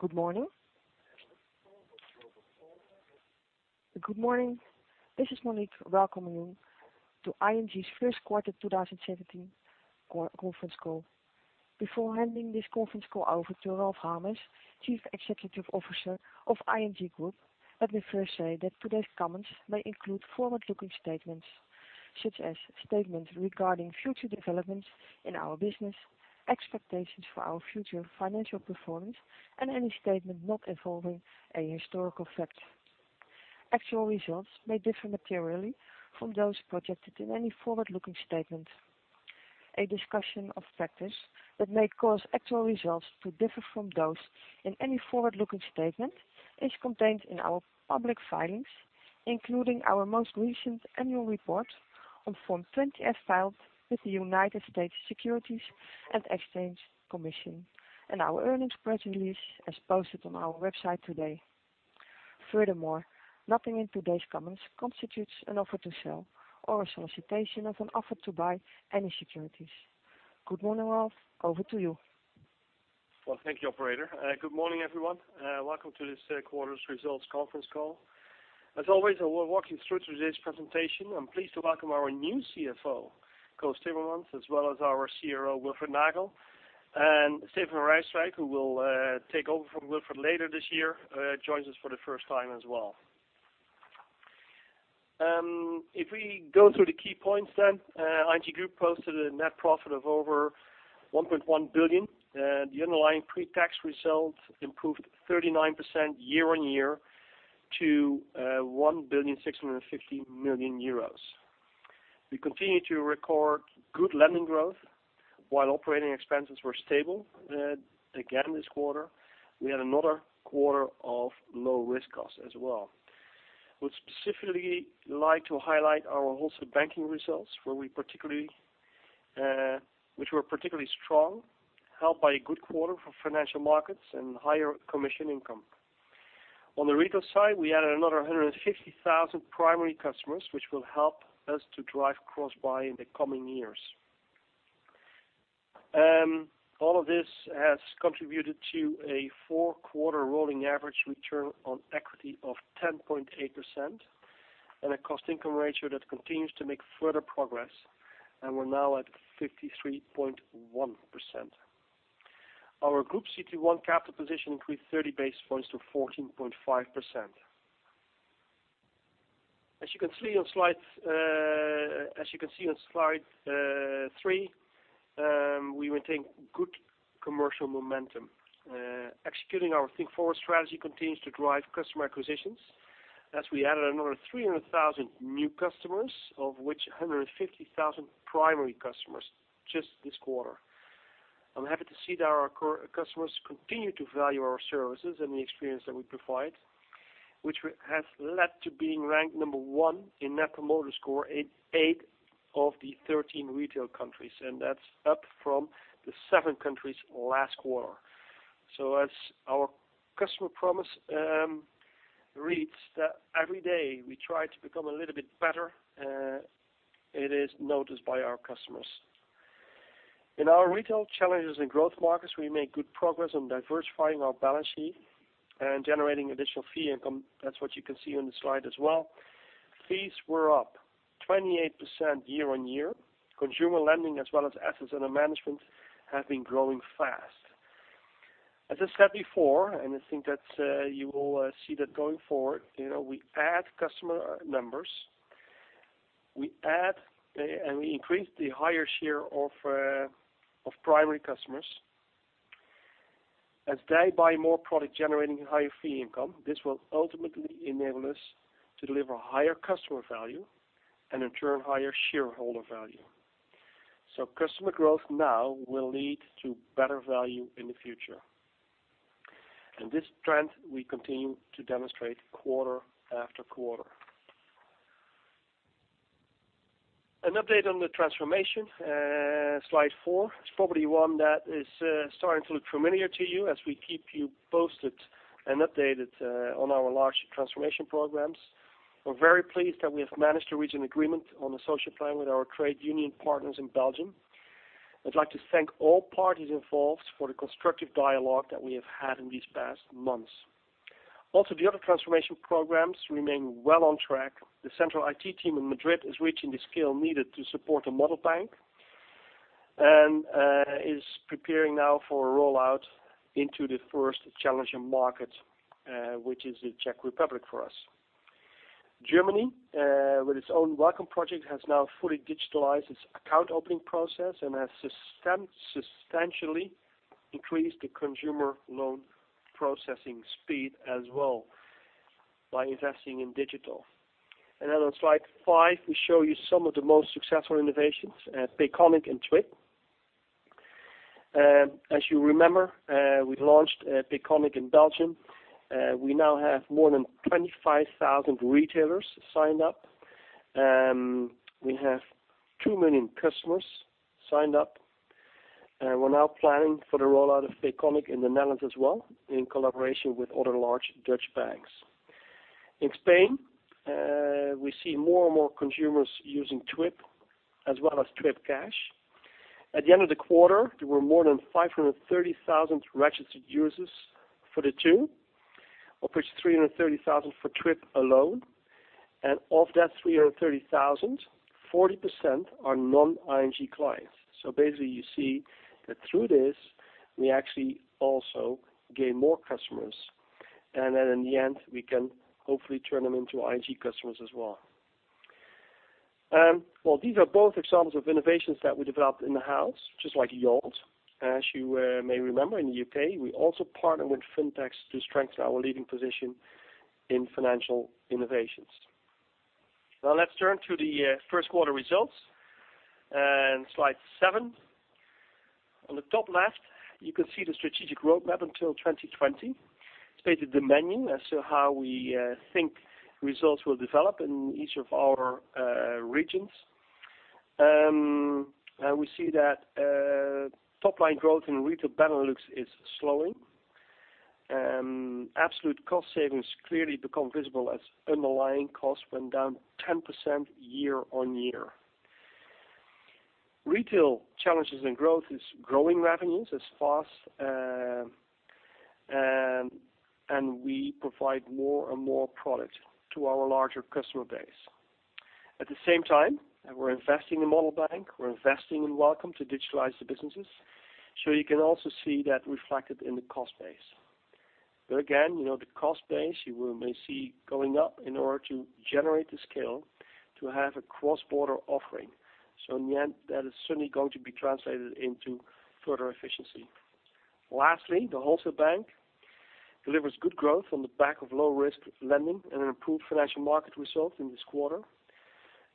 Good morning. Good morning. This is Monique. Welcome to ING's first quarter 2017 conference call. Before handing this conference call over to Ralph Hamers, Chief Executive Officer of ING Groep, let me first say that today's comments may include forward-looking statements such as statements regarding future developments in our business, expectations for our future financial performance, and any statement not involving a historical fact. Actual results may differ materially from those projected in any forward-looking statement. A discussion of factors that may cause actual results to differ from those in any forward-looking statement is contained in our public filings, including our most recent annual report on Form 20-F filed with the United States Securities and Exchange Commission and our earnings press release as posted on our website today. Nothing in today's comments constitutes an offer to sell or a solicitation of an offer to buy any securities. Good morning, Ralph. Over to you. Thank you, operator. Good morning, everyone. Welcome to this quarter's results conference call. As always, we'll walk you through today's presentation. I'm pleased to welcome our new CFO, Koos Timmermans, as well as our CRO, Wilfred Nagel, and Steven van Rijswijk, who will take over from Wilfred later this year, joins us for the first time as well. We go through the key points, ING Groep posted a net profit of over 1.1 billion. The underlying pre-tax results improved 39% year-on-year to 1,650,000,000 euros. We continue to record good lending growth while operating expenses were stable. Again this quarter, we had another quarter of low risk costs as well. We'd specifically like to highlight our Wholesale Banking results which were particularly strong, helped by a good quarter for financial markets and higher commission income. On the retail side, we added another 150,000 primary customers, which will help us to drive cross-buy in the coming years. All of this has contributed to a four-quarter rolling average return on equity of 10.8% and a cost-income ratio that continues to make further progress. We're now at 53.1%. Our Group CET1 capital position increased 30 basis points to 14.5%. As you can see on slide three, we maintain good commercial momentum. Executing our Think Forward strategy continues to drive customer acquisitions as we added another 300,000 new customers, of which 150,000 primary customers just this quarter. I'm happy to see that our customers continue to value our services and the experience that we provide, which has led to being ranked number one in Net Promoter Score in eight of the 13 retail countries. That's up from the seven countries last quarter. As our customer promise reads that every day we try to become a little bit better, it is noticed by our customers. In our Retail Challengers and Growth Markets, we make good progress on diversifying our balance sheet and generating additional fee income. That's what you can see on the slide as well. Fees were up 28% year-on-year. Consumer lending as well as assets under management have been growing fast. As I said before, and I think that you will see that going forward, we add customer numbers, we add and we increase the higher share of primary customers. As they buy more product generating higher fee income, this will ultimately enable us to deliver higher customer value and in turn, higher shareholder value. Customer growth now will lead to better value in the future. This trend we continue to demonstrate quarter after quarter. An update on the transformation, slide four. It's probably one that is starting to look familiar to you as we keep you posted and updated on our large transformation programs. We're very pleased that we have managed to reach an agreement on the social plan with our trade union partners in Belgium. I'd like to thank all parties involved for the constructive dialogue that we have had in these past months. The other transformation programs remain well on track. The central IT team in Madrid is reaching the scale needed to support a Model Bank and is preparing now for a rollout into the first challenging market, which is the Czech Republic for us. Germany, with its own Welcome project, has now fully digitalized its account opening process and has substantially increased the consumer loan processing speed as well by investing in digital. On slide five, we show you some of the most successful innovations, Payconiq and Twyp. As you remember, we launched Payconiq in Belgium. We now have more than 25,000 retailers signed up. We have 2 million customers signed up. We're now planning for the rollout of Payconiq in the Netherlands as well, in collaboration with other large Dutch banks. In Spain, we see more and more consumers using Twyp as well as Twyp Cash. At the end of the quarter, there were more than 530,000 registered users for the two, of which 330,000 for Twyp alone. Of that 330,000, 40% are non-ING clients. You see that through this, we actually also gain more customers, and in the end, we can hopefully turn them into ING customers as well. While these are both examples of innovations that we developed in-house, just like Yolt, as you may remember, in the U.K., we also partner with fintechs to strengthen our leading position in financial innovations. Let's turn to the first quarter results, slide seven. On the top left, you can see the strategic roadmap until 2020. It's basically the menu as to how we think results will develop in each of our regions. We see that top-line growth in Retail Benelux is slowing. Absolute cost savings clearly become visible as underlying costs went down 10% year-on-year. Retail Challengers and Growth is growing revenues as fast, and we provide more and more product to our larger customer base. At the same time, we're investing in Model Bank, we're investing in Welcome to digitalize the businesses. You can also see that reflected in the cost base. Again, the cost base you may see going up in order to generate the scale to have a cross-border offering. In the end, that is certainly going to be translated into further efficiency. Lastly, the Wholesale Banking delivers good growth on the back of low-risk lending and an improved financial market result in this quarter.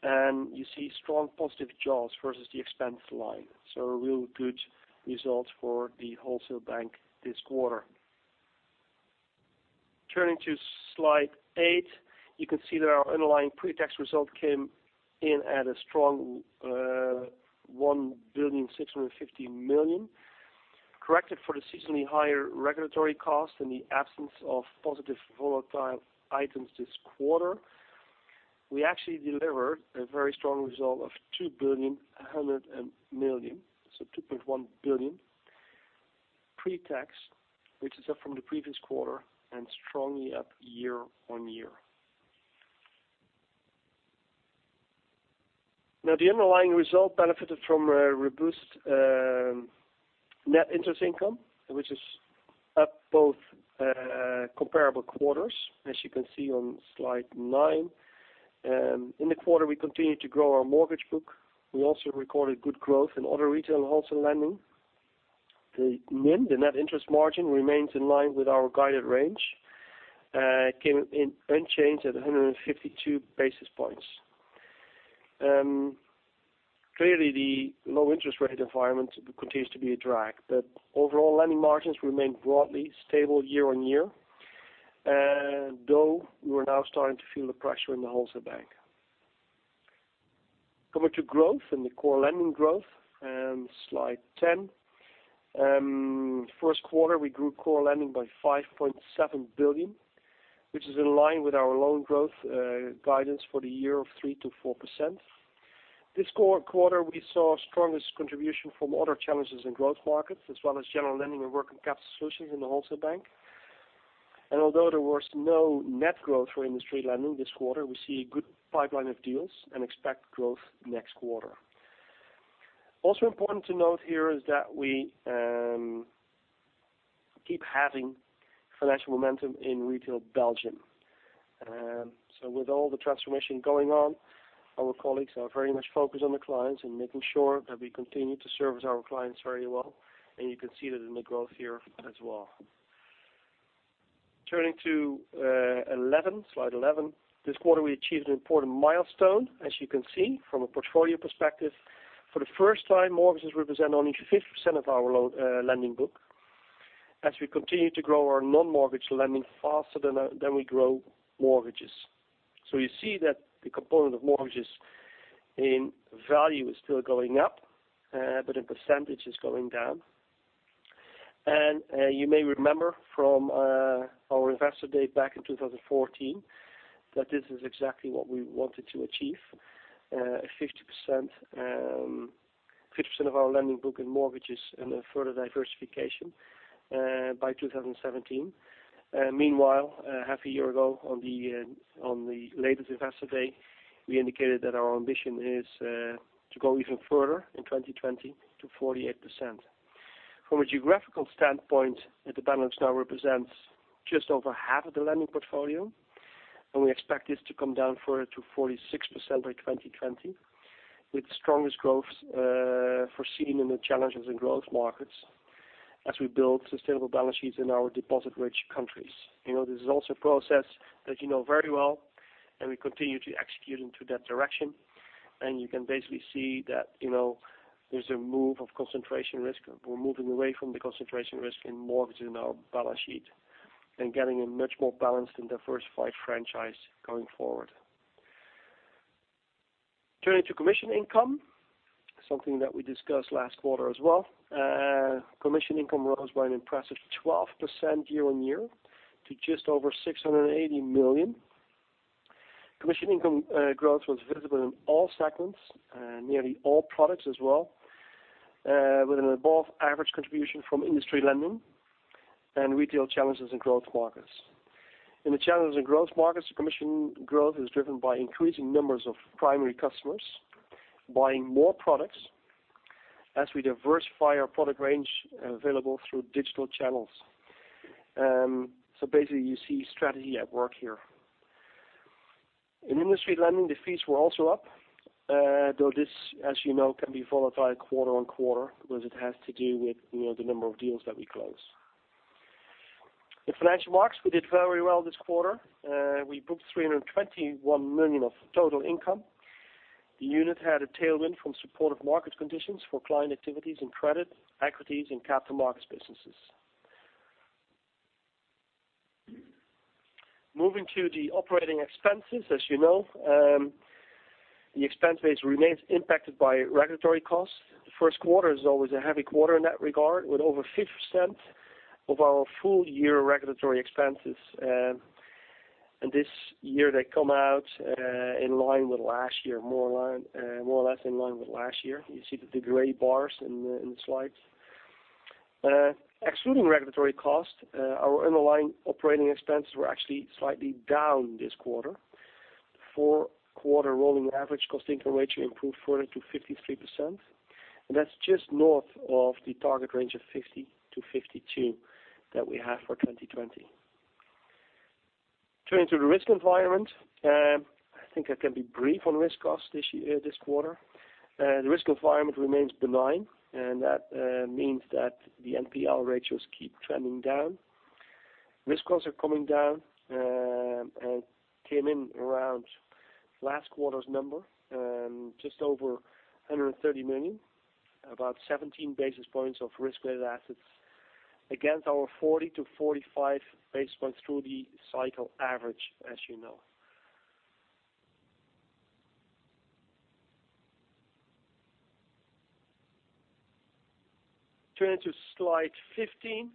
You see strong positive jaws versus the expense line. A real good result for the Wholesale Banking this quarter. Turning to slide eight, you can see that our underlying pre-tax result came in at a strong 1.65 billion. Corrected for the seasonally higher regulatory cost and the absence of positive volatile items this quarter, we actually delivered a very strong result of 2.1 billion, so 2.1 billion pre-tax, which is up from the previous quarter and strongly up year-on-year. The underlying result benefited from a robust net interest income, which is up both comparable quarters, as you can see on slide nine. In the quarter, we continued to grow our mortgage book. We also recorded good growth in other retail wholesale lending. The NIM, the net interest margin, remains in line with our guided range. It came in unchanged at 152 basis points. Clearly, the low interest rate environment continues to be a drag, overall lending margins remain broadly stable year-on-year, though we're now starting to feel the pressure in the Wholesale Banking. Coming to growth and the core lending growth, slide 10. First quarter, we grew core lending by 5.7 billion, which is in line with our loan growth guidance for the year of 3%-4%. This quarter, we saw strongest contribution from other Challengers & Growth Markets, as well as general lending and working capital solutions in the Wholesale Banking. Although there was no net growth for industry lending this quarter, we see a good pipeline of deals and expect growth next quarter. Important to note here is that we keep having financial momentum in Retail Belgium. With all the transformation going on, our colleagues are very much focused on the clients and making sure that we continue to service our clients very well, and you can see that in the growth here as well. Turning to slide 11, this quarter, we achieved an important milestone, as you can see from a portfolio perspective. For the first time, mortgages represent only 50% of our lending book, as we continue to grow our non-mortgage lending faster than we grow mortgages. You see that the component of mortgages in value is still going up, but in percentage is going down. You may remember from our investor day back in 2014, that this is exactly what we wanted to achieve, 50% of our lending book in mortgages and a further diversification by 2017. Half a year ago on the latest investor day, we indicated that our ambition is to go even further in 2020 to 48%. From a geographical standpoint, the balance now represents just over half of the lending portfolio, and we expect this to come down further to 46% by 2020, with the strongest growth foreseen in the Challengers & Growth Markets as we build sustainable balance sheets in our deposit-rich countries. This is also a process that you know very well, and we continue to execute into that direction. You can basically see that there's a move of concentration risk. We're moving away from the concentration risk in mortgages in our balance sheet and getting a much more balanced and diversified franchise going forward. Turning to commission income, something that we discussed last quarter as well. Commission income rose by an impressive 12% year-on-year to just over 680 million. Commission income growth was visible in all segments and nearly all products as well, with an above-average contribution from Wholesale Banking and retail Challengers & Growth Markets. In the Challengers & Growth Markets, commission growth is driven by increasing numbers of primary customers buying more products as we diversify our product range available through digital channels. Basically, you see strategy at work here. In Wholesale Banking, the fees were also up, though this, as you know, can be volatile quarter-on-quarter because it has to do with the number of deals that we close. In financial markets, we did very well this quarter. We booked 321 million of total income. The unit had a tailwind from supportive market conditions for client activities in credit, equities, and capital markets businesses. Moving to the operating expenses. As you know, the expense base remains impacted by regulatory costs. The first quarter is always a heavy quarter in that regard, with over 50% of our full-year regulatory expenses. This year they come out in line with last year, more or less in line with last year. You see the gray bars in the slides. Excluding regulatory costs, our underlying operating expenses were actually slightly down this quarter. Four-quarter rolling average cost-income ratio improved further to 53%, and that's just north of the target range of 50%-52% that we have for 2020. Turning to the risk environment. I think I can be brief on risk costs this quarter. The risk environment remains benign, and that means that the NPL ratios keep trending down. Risk costs are coming down and came in around last quarter's number, just over 130 million, about 17 basis points of risk-weighted assets. Against our 40-45 basis points through-the-cycle average, as you know. Turning to slide 15.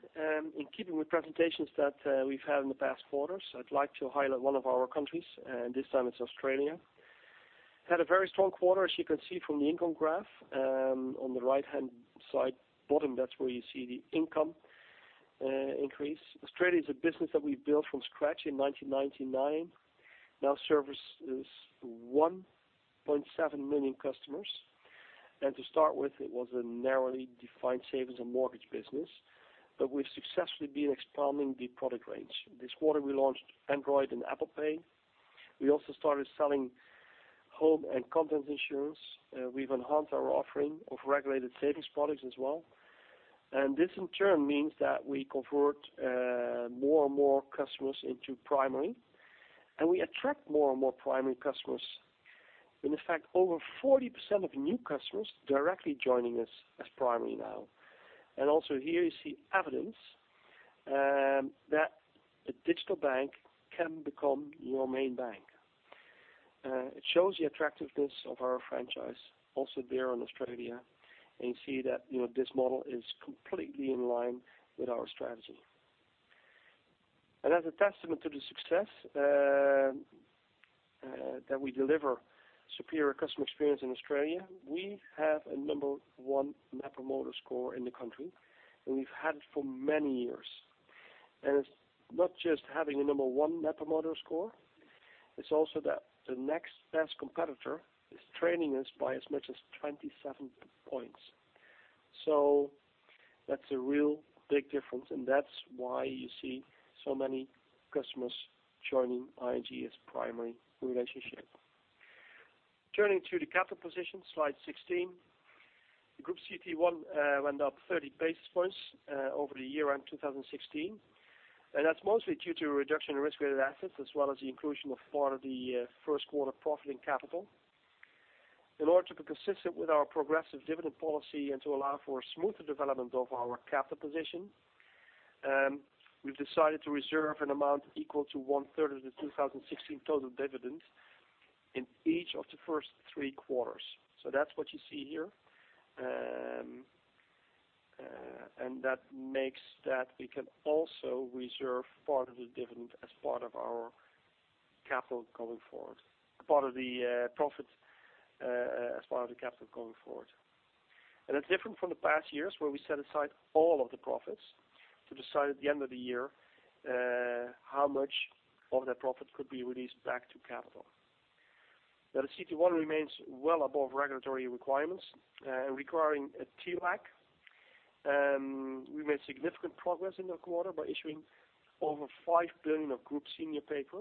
In keeping with presentations that we've had in the past quarters, I'd like to highlight one of our countries, and this time it's Australia. Had a very strong quarter, as you can see from the income graph. On the right-hand side bottom, that's where you see the income increase. Australia is a business that we built from scratch in 1999, now services 1.7 million customers. To start with, it was a narrowly defined savings and mortgage business, but we've successfully been expanding the product range. This quarter, we launched Android and Apple Pay. We also started selling home and contents insurance. We've enhanced our offering of regulated savings products as well. This in turn means that we convert more and more customers into primary, and we attract more and more primary customers. In fact, over 40% of new customers directly joining us as primary now. Also here you see evidence that a digital bank can become your main bank. It shows the attractiveness of our franchise also there in Australia. You see that this model is completely in line with our strategy. As a testament to the success that we deliver superior customer experience in Australia, we have a number one Net Promoter Score in the country, and we've had it for many years. It's not just having a number one Net Promoter Score, it's also that the next best competitor is trailing us by as much as 27 points. That's a real big difference, and that's why you see so many customers joining ING as primary relationship. Turning to the capital position, slide 16. The Group CET1 went up 30 basis points over the year-end 2016, and that's mostly due to a reduction in risk-weighted assets, as well as the inclusion of part of the first quarter profit in capital. In order to be consistent with our progressive dividend policy and to allow for a smoother development of our capital position, we've decided to reserve an amount equal to one-third of the 2016 total dividend in each of the first three quarters. That's what you see here. That makes that we can also reserve part of the profit as part of the capital going forward. It's different from the past years where we set aside all of the profits to decide at the end of the year how much of that profit could be released back to capital. The CET1 remains well above regulatory requirements. Requiring a TLAC, we made significant progress in the quarter by issuing over 5 billion of Group senior paper.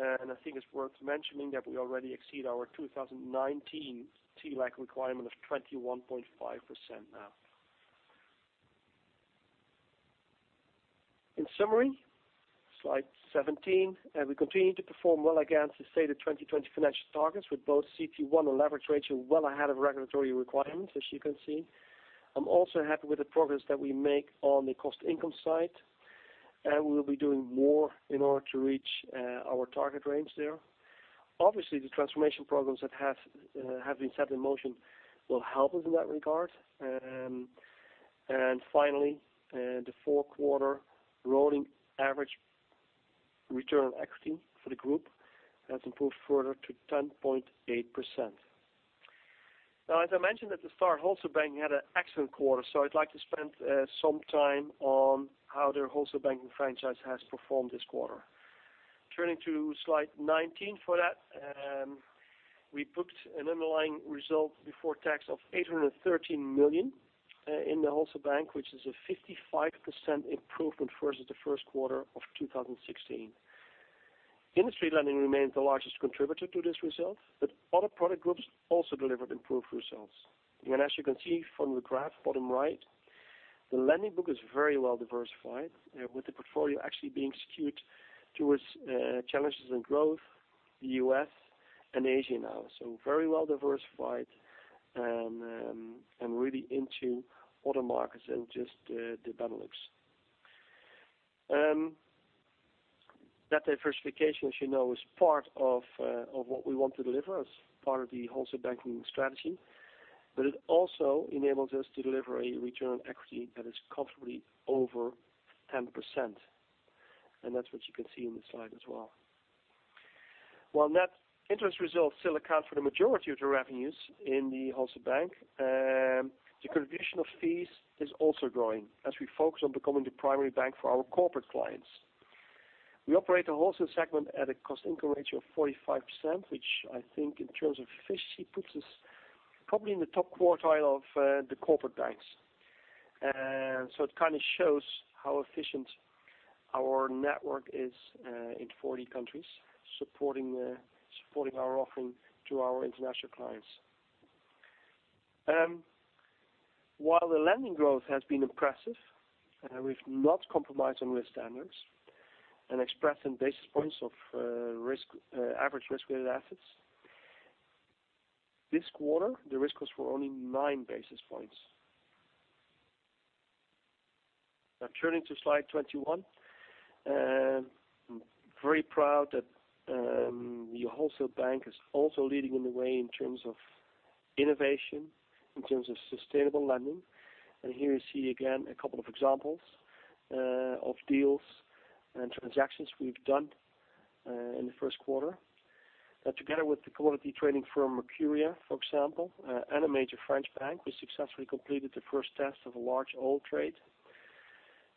I think it's worth mentioning that we already exceed our 2019 TLAC requirement of 21.5% now. In summary, slide 17. We continue to perform well against the stated 2020 financial targets with both CET1 and leverage ratio well ahead of regulatory requirements, as you can see. I'm also happy with the progress that we make on the cost-income side. We will be doing more in order to reach our target range there. Obviously, the transformation programs that have been set in motion will help us in that regard. Finally, the four-quarter rolling average return on equity for the group has improved further to 10.8%. As I mentioned at the start, Wholesale Banking had an excellent quarter, I'd like to spend some time on how their Wholesale Banking franchise has performed this quarter. Turning to slide 19 for that. We booked an underlying result before tax of 813 million in the Wholesale Bank, which is a 55% improvement versus the first quarter of 2016. Industry lending remains the largest contributor to this result, other product groups also delivered improved results. As you can see from the graph bottom right, the lending book is very well diversified, with the portfolio actually being skewed towards challenges in growth, the U.S., and Asia now. Very well diversified and really into other markets than just the Benelux. That diversification, as you know, is part of what we want to deliver as part of the Wholesale Banking strategy. It also enables us to deliver a return on equity that is comfortably over 10%. That's what you can see in the slide as well. While net interest results still account for the majority of the revenues in the Wholesale Bank, the contribution of fees is also growing as we focus on becoming the primary bank for our corporate clients. We operate a wholesale segment at a cost-income ratio of 45%, which I think in terms of efficiency, puts us probably in the top quartile of the corporate banks. It shows how efficient our network is in 40 countries, supporting our offering to our international clients. While the lending growth has been impressive, we've not compromised on risk standards and expressed in basis points of average risk-weighted assets. This quarter, the risk was for only nine basis points. Turning to slide 21. I'm very proud that the Wholesale Bank is also leading in the way in terms of innovation, in terms of sustainable lending. Here you see again a couple of examples of deals and transactions we've done in the first quarter. Together with the commodity trading firm Mercuria, for example, and a major French bank, we successfully completed the first test of a large oil trade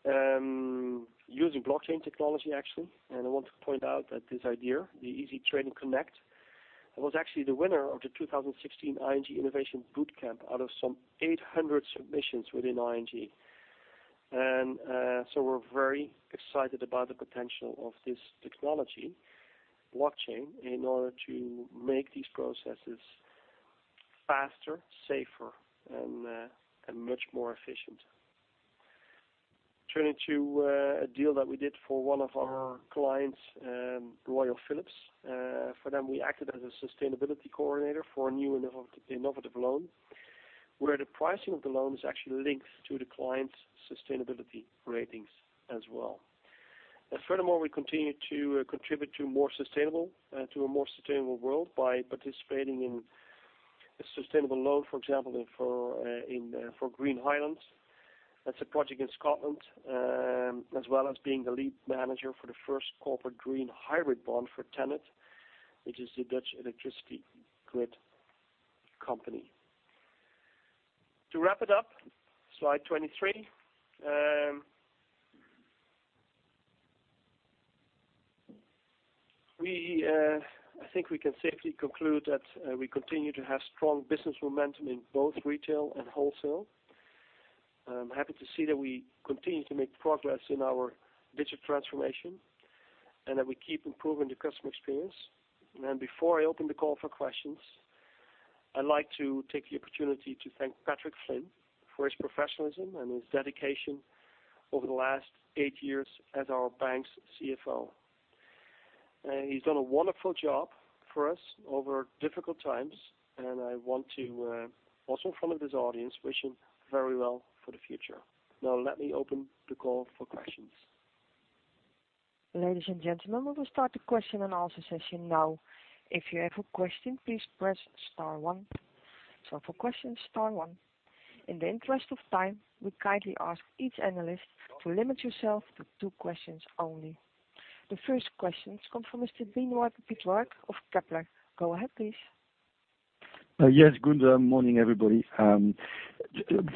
using blockchain technology, actually. I want to point out that this idea, the Easy Trading Connect, was actually the winner of the 2016 ING Innovation Bootcamp out of some 800 submissions within ING. We're very excited about the potential of this technology, blockchain, in order to make these processes faster, safer, and much more efficient. Turning to a deal that we did for one of our clients, Royal Philips. For them, we acted as a sustainability coordinator for a new innovative loan, where the pricing of the loan is actually linked to the client's sustainability ratings as well. We continue to contribute to a more sustainable world by participating in a sustainable loan, for example, for Green Highland. That's a project in Scotland, as well as being the lead manager for the first corporate green hybrid bond for TenneT, which is the Dutch electricity grid company. To wrap it up, slide 23. I think we can safely conclude that we continue to have strong business momentum in both retail and wholesale. I'm happy to see that we continue to make progress in our digital transformation and that we keep improving the customer experience. Before I open the call for questions, I'd like to take the opportunity to thank Patrick Flynn for his professionalism and his dedication over the last eight years as our bank's CFO. He's done a wonderful job for us over difficult times, and I want to also, in front of his audience, wish him very well for the future. Let me open the call for questions. Ladies and gentlemen, we will start the question and answer session now. If you have a question, please press star one. For questions, star one. In the interest of time, we kindly ask each analyst to limit yourself to two questions only. The first question comes from Mr. Benoit Pétrarque of Kepler. Go ahead, please. Yes. Good morning, everybody.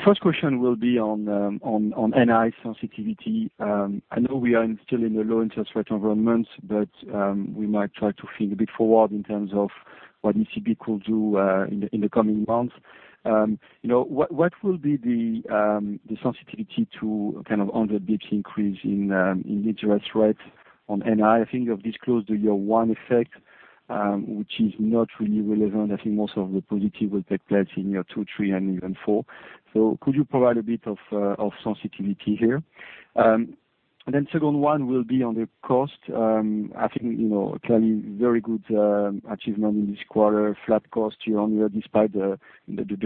First question will be on NII sensitivity. I know we are still in a low interest rate environment, we might try to think a bit forward in terms of what ECB could do in the coming months. What will be the sensitivity to kind of 100 basis points increase in interest rates on NII? I think you have disclosed the year one effect, which is not really relevant. I think most of the positive will take place in year two, three, and even four. Could you provide a bit of sensitivity here? Second one will be on the cost. I think, clearly very good achievement in this quarter, flat cost year-on-year despite the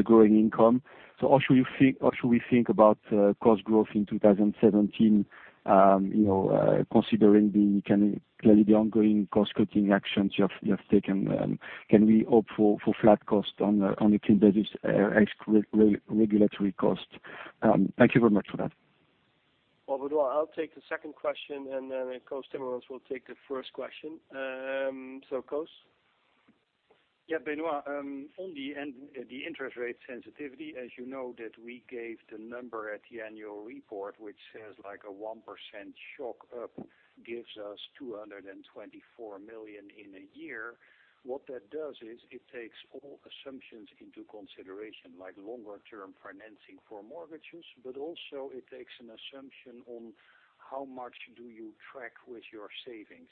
growing income. How should we think about cost growth in 2017, considering clearly the ongoing cost-cutting actions you have taken? Can we hope for flat cost on a clean basis ex regulatory cost? Thank you very much for that. Well, Benoit, I'll take the second question, and then Koos Timmermans will take the first question. Koos. Yeah, Benoit, on the end, the interest rate sensitivity, as you know that we gave the number at the annual report, which says like a 1% shock up gives us 224 million in a year. What that does is it takes all assumptions into consideration, like longer-term financing for mortgages, but also it takes an assumption on how much do you track with your savings.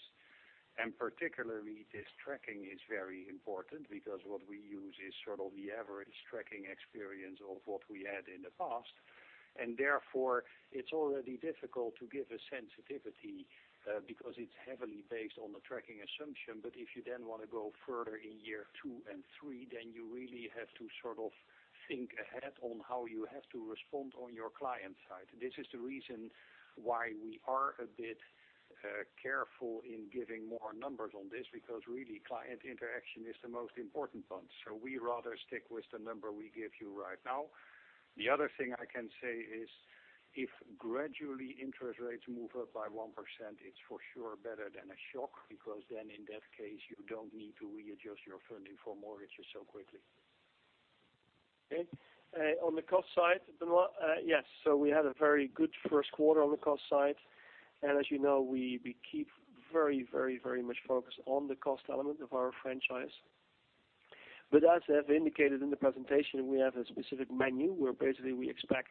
Particularly this tracking is very important because what we use is sort of the average tracking experience of what we had in the past. Therefore it's already difficult to give a sensitivity because it's heavily based on the tracking assumption. If you then want to go further in year two and three, then you really have to sort of think ahead on how you have to respond on your client side. This is the reason why we are a bit careful in giving more numbers on this, because really, client interaction is the most important one. We rather stick with the number we give you right now. The other thing I can say is if gradually interest rates move up by 1%, it's for sure better than a shock, because in that case, you don't need to readjust your funding for mortgages so quickly. Okay. On the cost side, Benoit, yes, we had a very good first quarter on the cost side. As you know, we keep very much focused on the cost element of our franchise. As I have indicated in the presentation, we have a specific menu where basically we expect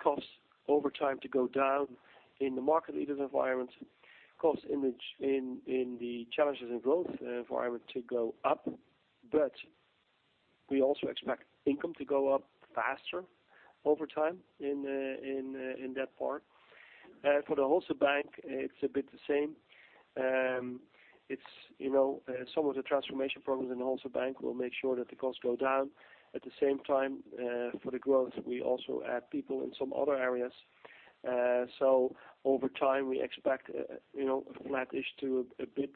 costs over time to go down in the market leader environment, cost in the challenges and growth environment to go up, but we also expect income to go up faster over time in that part. For the Wholesale Banking, it's a bit the same. Some of the transformation programs in the Wholesale Banking will make sure that the costs go down. At the same time, for the growth, we also add people in some other areas. Over time, we expect a flattish to a bit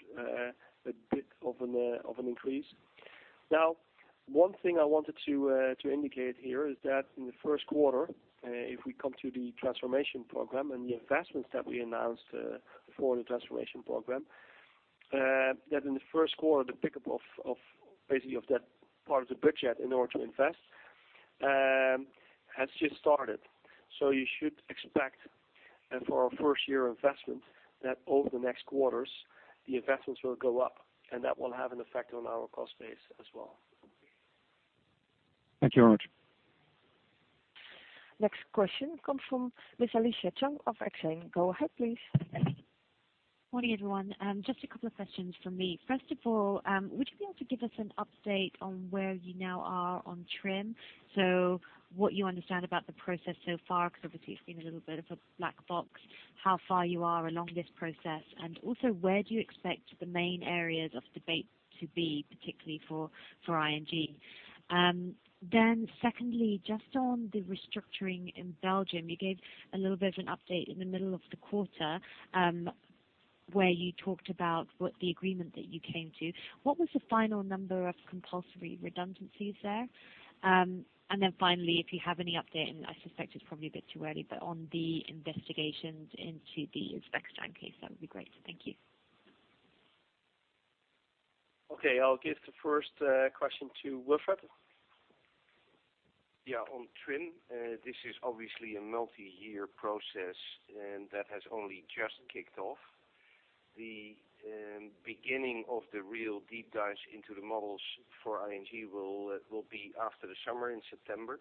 of an increase. One thing I wanted to indicate here is that in the first quarter, if we come to the transformation program and the investments that we announced for the transformation program, that in the first quarter, the pickup of basically of that part of the budget in order to invest has just started. You should expect, for our first-year investment, that over the next quarters, the investments will go up, and that will have an effect on our cost base as well. Thank you very much. Next question comes from Miss Alicia Cheung of Exane. Go ahead, please. Morning, everyone. Just a couple of questions from me. First of all, would you be able to give us an update on where you now are on TRIM? What you understand about the process so far, because obviously it's been a little bit of a black box, how far you are along this process, and also where do you expect the main areas of debate to be, particularly for ING. Secondly, just on the restructuring in Belgium, you gave a little bit of an update in the middle of the quarter, where you talked about what the agreement that you came to. What was the final number of compulsory redundancies there? Finally, if you have any update, and I suspect it's probably a bit too early, but on the investigations into the Spectramind case, that would be great. Thank you. Okay. I'll give the first question to Wilfred. Yeah. On TRIM, this is obviously a multi-year process, and that has only just kicked off. The beginning of the real deep dive into the models for ING will be after the summer in September.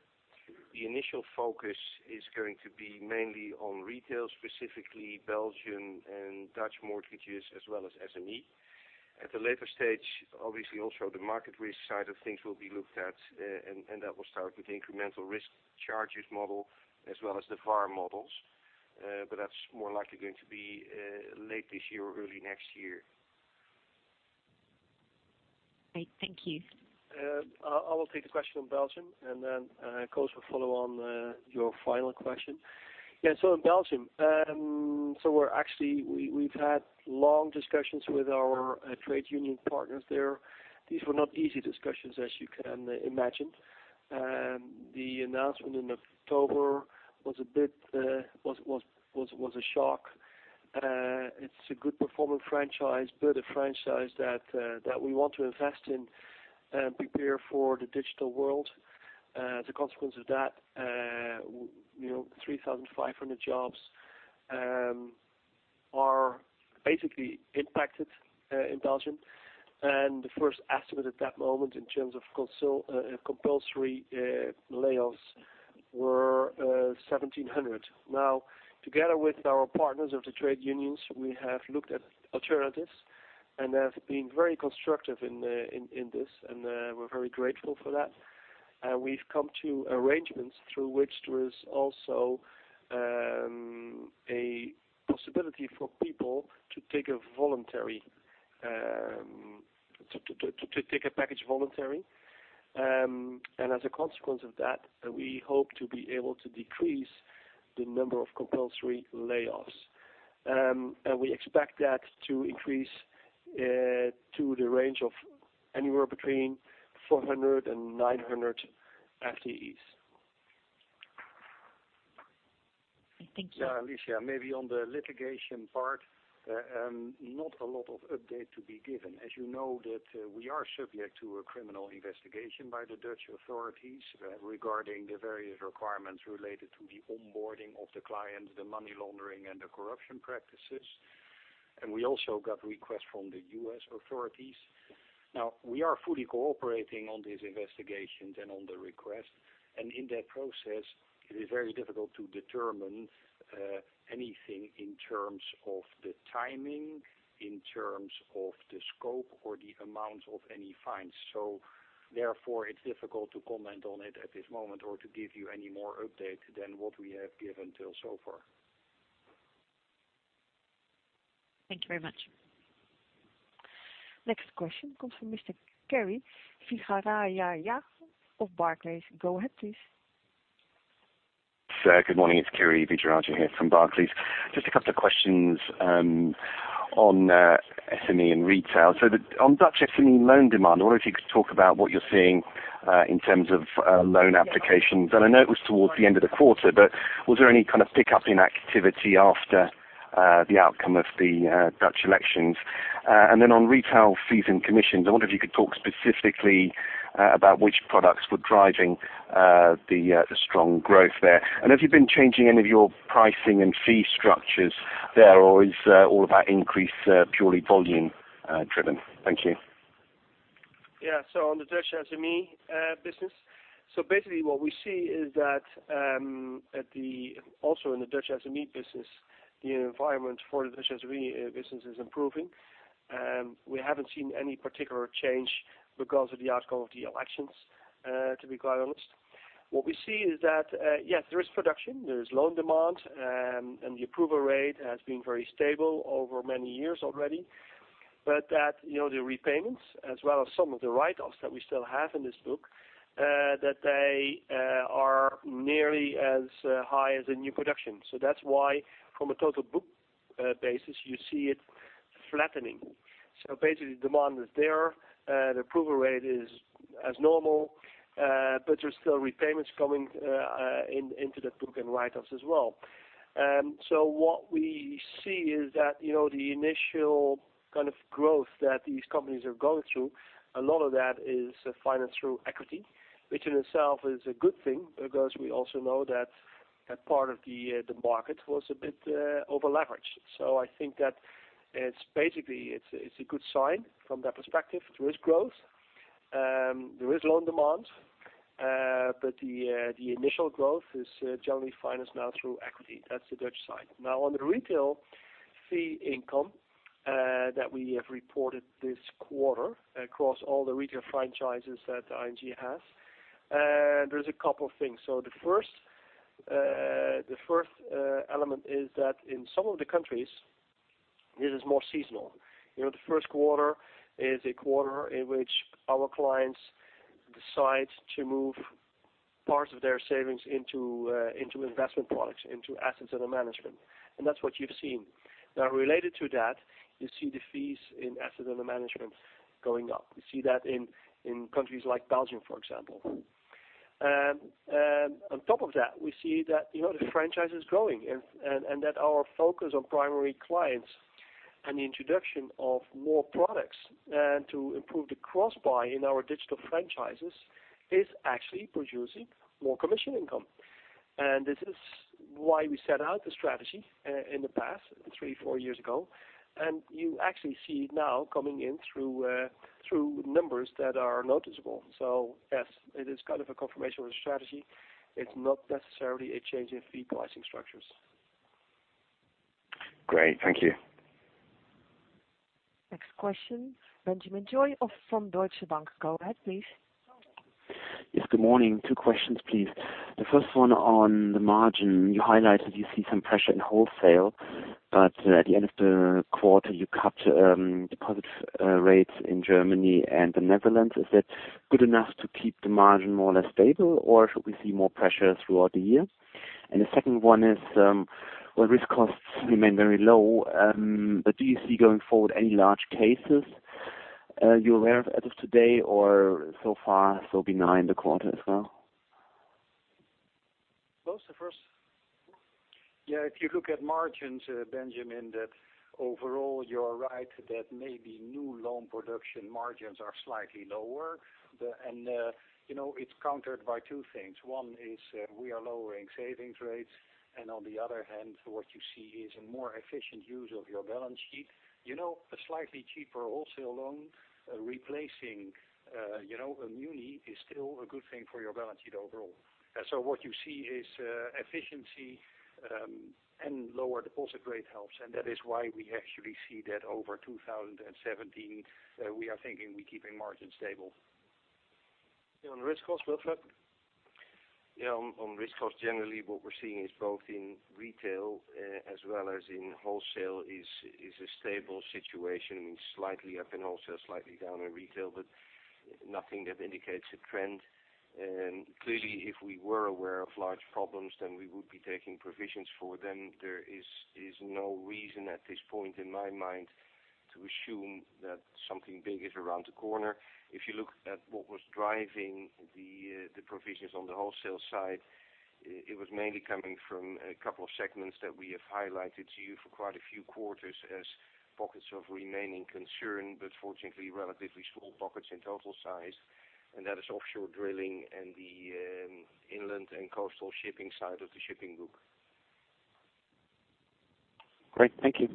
The initial focus is going to be mainly on retail, specifically Belgian and Dutch mortgages as well as SME. At a later stage, obviously also the market risk side of things will be looked at, and that will start with the incremental risk charges model as well as the VaR models. That's more likely going to be late this year or early next year. Great. Thank you. I will take the question on Belgium. Koos will follow on your final question. In Belgium, we've had long discussions with our trade union partners there. These were not easy discussions, as you can imagine. The announcement in October was a shock. It's a good performing franchise, but a franchise that we want to invest in and prepare for the digital world. The consequence of that, 3,500 jobs are basically impacted in Belgium. The first estimate at that moment in terms of compulsory layoffs were 1,700. Together with our partners of the trade unions, we have looked at alternatives and have been very constructive in this, and we're very grateful for that. We've come to arrangements through which there is also a possibility for people to take a package voluntary. As a consequence of that, we hope to be able to decrease the number of compulsory layoffs. We expect that to increase to the range of anywhere between 400 and 900 FTEs. Thank you. Alicia, maybe on the litigation part, not a lot of update to be given. You know that we are subject to a criminal investigation by the Dutch authorities regarding the various requirements related to the onboarding of the clients, the money laundering, and the corruption practices. We also got requests from the U.S. authorities. Now, we are fully cooperating on these investigations and on the request, and in that process, it is very difficult to determine anything in terms of the timing, in terms of the scope or the amount of any fines. Therefore it's difficult to comment on it at this moment or to give you any more update than what we have given till so far. Thank you very much. Next question comes from Mr. Kirishanthan Vijayarajah of Barclays. Go ahead, please. Sir, good morning. It's Kirishanthan Vijayarajah here from Barclays. Just a couple of questions on SME and retail. On Dutch SME loan demand, I wonder if you could talk about what you're seeing in terms of loan applications. I know it was towards the end of the quarter, but was there any kind of pickup in activity after the outcome of the Dutch elections? On retail fees and commissions, I wonder if you could talk specifically about which products were driving the strong growth there. Have you been changing any of your pricing and fee structures there, or is all of that increase purely volume driven? Thank you. On the Dutch SME business. What we see is that also in the Dutch SME business, the environment for the Dutch SME business is improving. We haven't seen any particular change because of the outcome of the elections, to be quite honest. What we see is that, yes, there is production, there is loan demand, and the approval rate has been very stable over many years already, but that the repayments as well as some of the write-offs that we still have in this book, that they are nearly as high as the new production. That's why from a total book basis, you see it flattening. Demand is there, the approval rate is as normal, but there's still repayments coming into that book and write-offs as well. What we see is that the initial kind of growth that these companies are going through, a lot of that is financed through equity, which in itself is a good thing because we also know that that part of the market was a bit over-leveraged. I think that it's basically a good sign from that perspective. There is growth. There is loan demand. The initial growth is generally financed now through equity. That's the Dutch side. On the retail fee income that we have reported this quarter across all the retail franchises that ING has, there's a couple of things. The first element is that in some of the countries, it is more seasonal. The first quarter is a quarter in which our clients decide to move part of their savings into investment products, into assets under management. That's what you've seen. Related to that, you see the fees in assets under management going up. You see that in countries like Belgium, for example. On top of that, we see that the franchise is growing and that our focus on primary clients and the introduction of more products and to improve the cross-buy in our digital franchises is actually producing more commission income. This is why we set out the strategy in the past, three, four years ago. You actually see it now coming in through numbers that are noticeable. Yes, it is kind of a confirmation of the strategy. It's not necessarily a change in fee pricing structures. Great. Thank you. Next question, Benjamin Goy from Deutsche Bank. Go ahead, please. Yes, good morning. Two questions, please. The first one on the margin, you highlighted you see some pressure in wholesale, but at the end of the quarter, you cut deposit rates in Germany and the Netherlands. Is that good enough to keep the margin more or less stable, or should we see more pressure throughout the year? The second one is, well, risk costs remain very low, but do you see going forward any large cases you're aware of as of today or so far so benign the quarter as well? First, if you look at margins, Benjamin, that overall you're right that maybe new loan production margins are slightly lower. It's countered by two things. One is we are lowering savings rates, and on the other hand, what you see is a more efficient use of your balance sheet. A slightly cheaper muni wholesale loan replacing a muni is still a good thing for your balance sheet overall. What you see is efficiency and lower deposit rate helps, and that is why we actually see that over 2017, we are thinking we keeping margin stable. On risk cost, Wilfred? Yeah. On risk cost, generally what we're seeing is both in retail as well as in wholesale is a stable situation, means slightly up in wholesale, slightly down in retail, but nothing that indicates a trend. Clearly, if we were aware of large problems, then we would be taking provisions for them. There is no reason at this point in my mind to assume that something big is around the corner. If you look at what was driving the provisions on the wholesale side, it was mainly coming from a couple of segments that we have highlighted to you for quite a few quarters as pockets of remaining concern, but fortunately relatively small pockets in total size, and that is offshore drilling and the inland and coastal shipping side of the shipping group. Great. Thank you.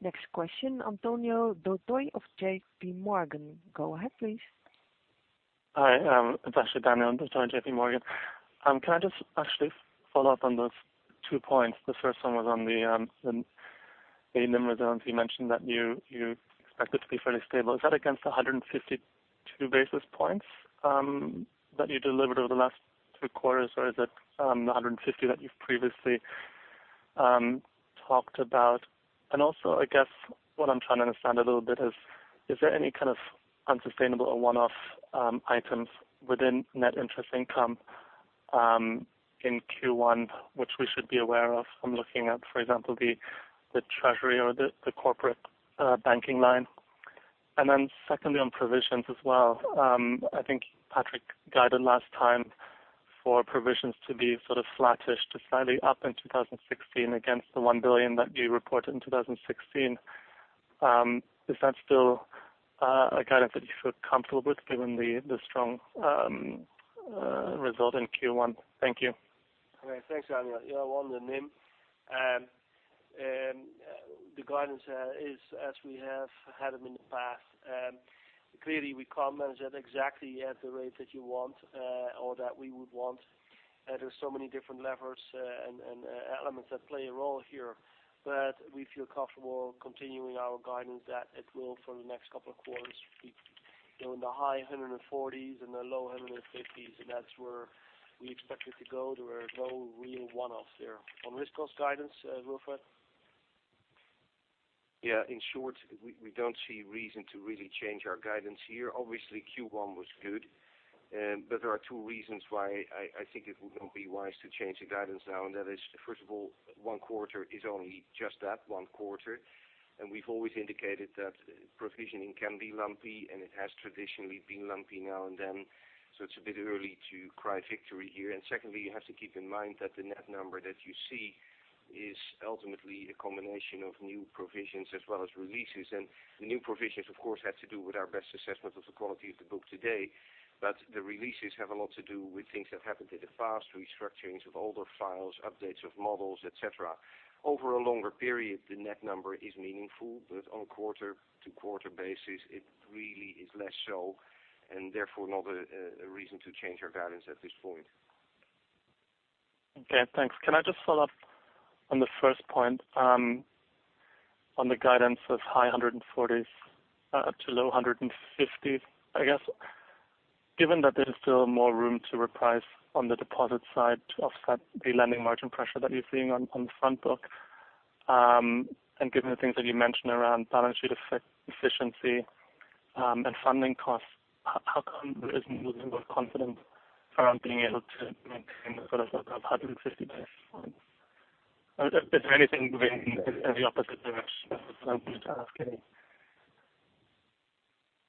Next question, Daniel Doheny of JPMorgan. Go ahead, please. Hi, it's actually Daniel Doheny, J.P. Morgan. Can I just actually follow up on those two points? The first one was on the NIM resilience you mentioned that you expected to be fairly stable. Is that against 152 basis points that you delivered over the last two quarters, or is it 150 that you've previously talked about? Also, I guess what I'm trying to understand a little bit is there any kind of unsustainable or one-off items within net interest income, in Q1, which we should be aware of from looking at, for example, the treasury or the corporate banking line? Then secondly, on provisions as well, I think Patrick guided last time for provisions to be sort of flattish to slightly up in 2016 against the 1 billion that you reported in 2016. Is that still a guidance that you feel comfortable with given the strong result in Q1? Thank you. Okay. Thanks, Daniel. Yeah, on the NIM. The guidance is, as we have had them in the past, clearly we can't manage that exactly at the rate that you want, or that we would want. We feel comfortable continuing our guidance that it will for the next couple of quarters be in the high 140s and the low 150s, and that's where we expect it to go. There are no real one-offs there. On risk cost guidance, Wilfred? Yeah, in short, we don't see reason to really change our guidance here. Obviously, Q1 was good. There are two reasons why I think it would not be wise to change the guidance now, and that is, first of all, one quarter is only just that, one quarter, and we've always indicated that provisioning can be lumpy, and it has traditionally been lumpy now and then, so it's a bit early to cry victory here. Secondly, you have to keep in mind that the net number that you see is ultimately a combination of new provisions as well as releases. The new provisions of course, had to do with our best assessment of the quality of the book today. The releases have a lot to do with things that happened in the past, restructurings of older files, updates of models, et cetera. Over a longer period, the net number is meaningful. On a quarter-to-quarter basis, it really is less so, and therefore not a reason to change our guidance at this point. Okay, thanks. Can I just follow up on the first point? On the guidance of high 140s to low 150s. I guess, given that there is still more room to reprice on the deposit side to offset the lending margin pressure that you're seeing on front book, and given the things that you mentioned around balance sheet efficiency, and funding costs, how come there isn't a little bit of confidence around being able to maintain the sort of 150 basis points? Is there anything moving in the opposite direction that I'm just asking?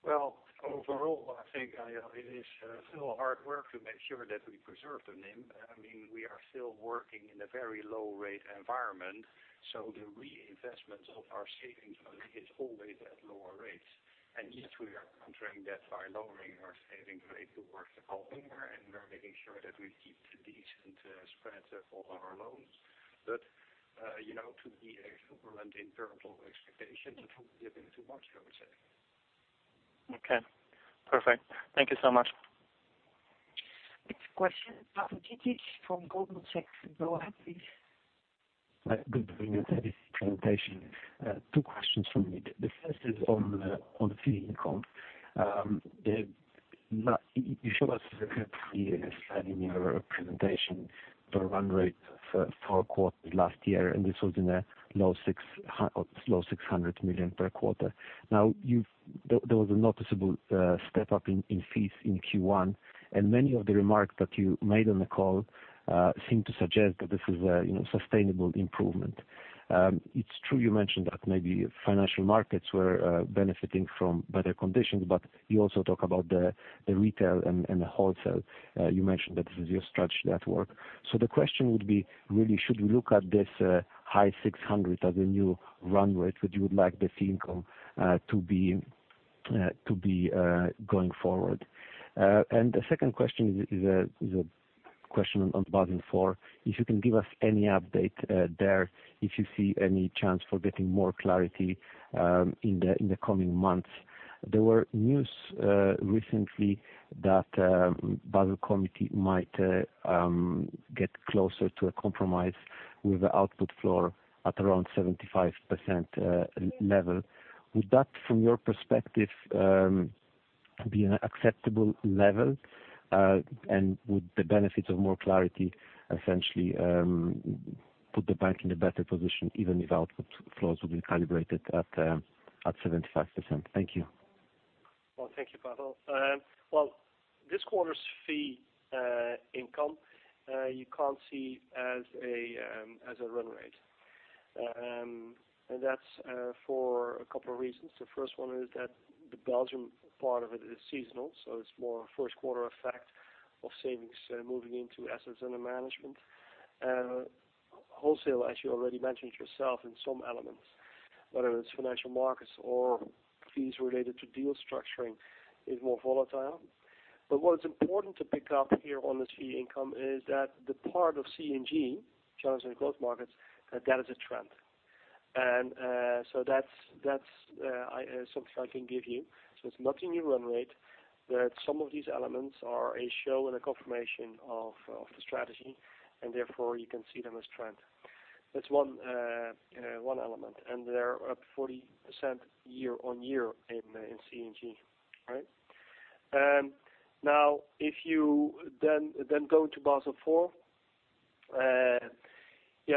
Well, overall, I think it is still hard work to make sure that we preserve the NIM. We are still working in a very low-rate environment, the reinvestments of our savings is always at lower rates. Yes, we are countering that by lowering our saving rate towards the fall winter, and we're making sure that we keep decent spreads for our loans. To be exuberant in terms of expectations, it would be a bit too much, I would say. Okay, perfect. Thank you so much. Next question, Paweł Karpiński from Goldman Sachs. Go ahead, please. Good morning. Thanks for the presentation. Two questions from me. The first is on fee income. You show us the three-year sliding average presentation, the run rate for quarter last year, and this was in a low 600 million per quarter. There was a noticeable step up in fees in Q1, and many of the remarks that you made on the call seem to suggest that this is a sustainable improvement. It is true you mentioned that maybe financial markets were benefiting from better conditions, but you also talk about the Retail and the Wholesale. You mentioned that this is your strategy at work. The question would be really, should we look at this high 600 as a new run rate that you would like the fee income to be going forward? The second question is a question on Basel IV. If you can give us any update there, if you see any chance for getting more clarity in the coming months. There were news recently that Basel Committee might get closer to a compromise with the output floor at around 75% level. Would that, from your perspective, be an acceptable level? Would the benefits of more clarity essentially put the bank in a better position, even if output floors will be calibrated at 75%? Thank you. Well, thank you, Paweł. This quarter's fee income, you cannot see as a run rate. That is for a couple of reasons. The first one is that the Belgium part of it is seasonal, so it is more a first quarter effect of savings moving into assets under management. Wholesale, as you already mentioned yourself in some elements, whether it is financial markets or fees related to deal structuring, is more volatile. What is important to pick up here on this fee income is that the part of C&G, Challengers & Growth Markets, that is a trend. That is something I can give you. It is not in your run rate, that some of these elements are a show and a confirmation of the strategy, and therefore, you can see them as trend. That is one element, they are up 40% year-on-year in C&G. Right? If you then go to Basel IV,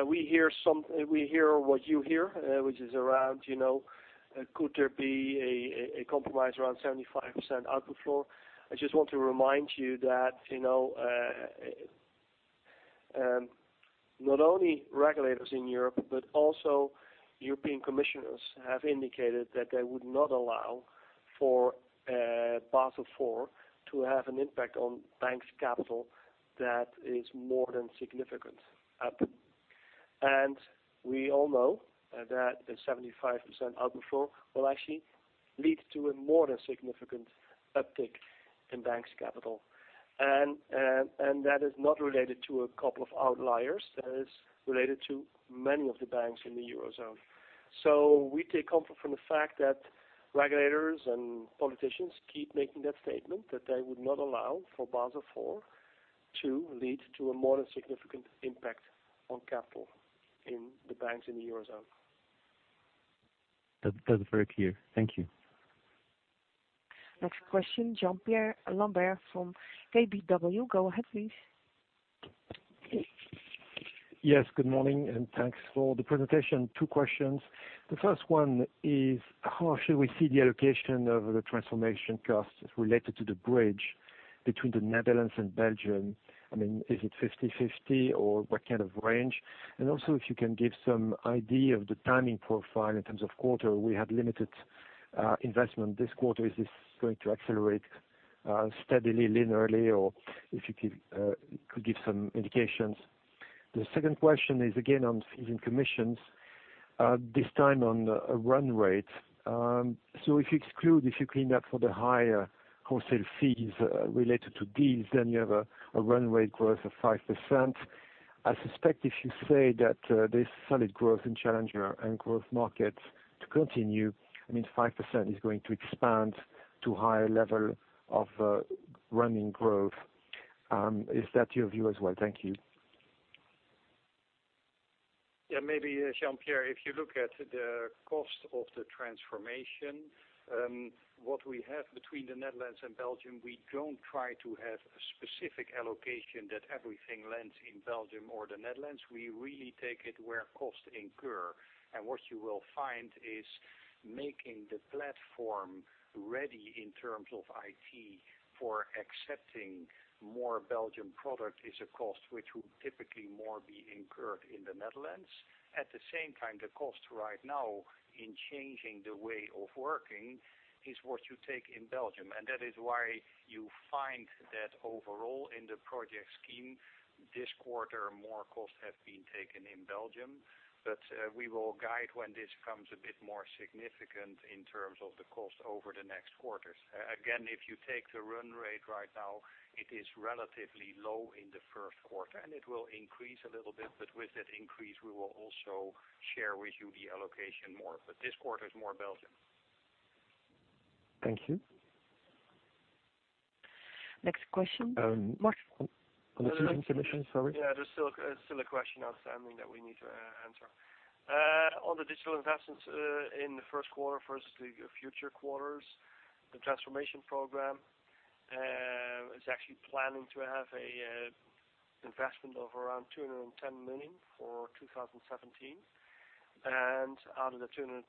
we hear what you hear, which is around could there be a compromise around 75% output floor? I just want to remind you that not only regulators in Europe, but also European commissioners have indicated that they would not allow for Basel IV to have an impact on banks' capital that is more than significant up. We all know that a 75% output floor will actually lead to a more than significant uptick in banks' capital. That is not related to a couple of outliers. That is related to many of the banks in the Eurozone. We take comfort from the fact that regulators and politicians keep making that statement that they would not allow for Basel IV to lead to a more than significant impact on capital in the banks in the Eurozone. That's very clear. Thank you. Next question, Jean-Pierre Lambert from KBW. Go ahead, please. Yes, good morning, thanks for the presentation. Two questions. The first one is, how should we see the allocation of the transformation costs related to the bridge between the Netherlands and Belgium? I mean, is it 50/50, or what kind of range? Also, if you can give some idea of the timing profile in terms of quarter. We had limited investment this quarter. Is this going to accelerate steadily, linearly, or if you could give some indications. The second question is, again, on fees and commissions, this time on a run rate. If you clean up for the higher Wholesale Banking fees related to deals, then you have a run rate growth of 5%. I suspect if you say that this solid growth in Challengers & Growth Markets to continue, I mean, 5% is going to expand to higher level of running growth. Is that your view as well? Thank you. Maybe, Jean-Pierre, if you look at the cost of the transformation, what we have between the Netherlands and Belgium, we don't try to have a specific allocation that everything lands in Belgium or the Netherlands. We really take it where costs incur. What you will find is making the platform ready in terms of IT for accepting more Belgium product is a cost which would typically more be incurred in the Netherlands. At the same time, the cost right now in changing the way of working is what you take in Belgium. That is why you find that overall in the project scheme this quarter, more costs have been taken in Belgium. We will guide when this becomes a bit more significant in terms of the cost over the next quarters. Again, if you take the run rate right now, it is relatively low in the first quarter, it will increase a little bit, with that increase, we will also share with you the allocation more, this quarter is more Belgium. Thank you. Next question. On the fees and commissions, sorry. There's still a question outstanding that we need to answer. On the digital investments in the first quarter versus the future quarters, the transformation program is actually planning to have an investment of around 210 million for 2017. Out of the 210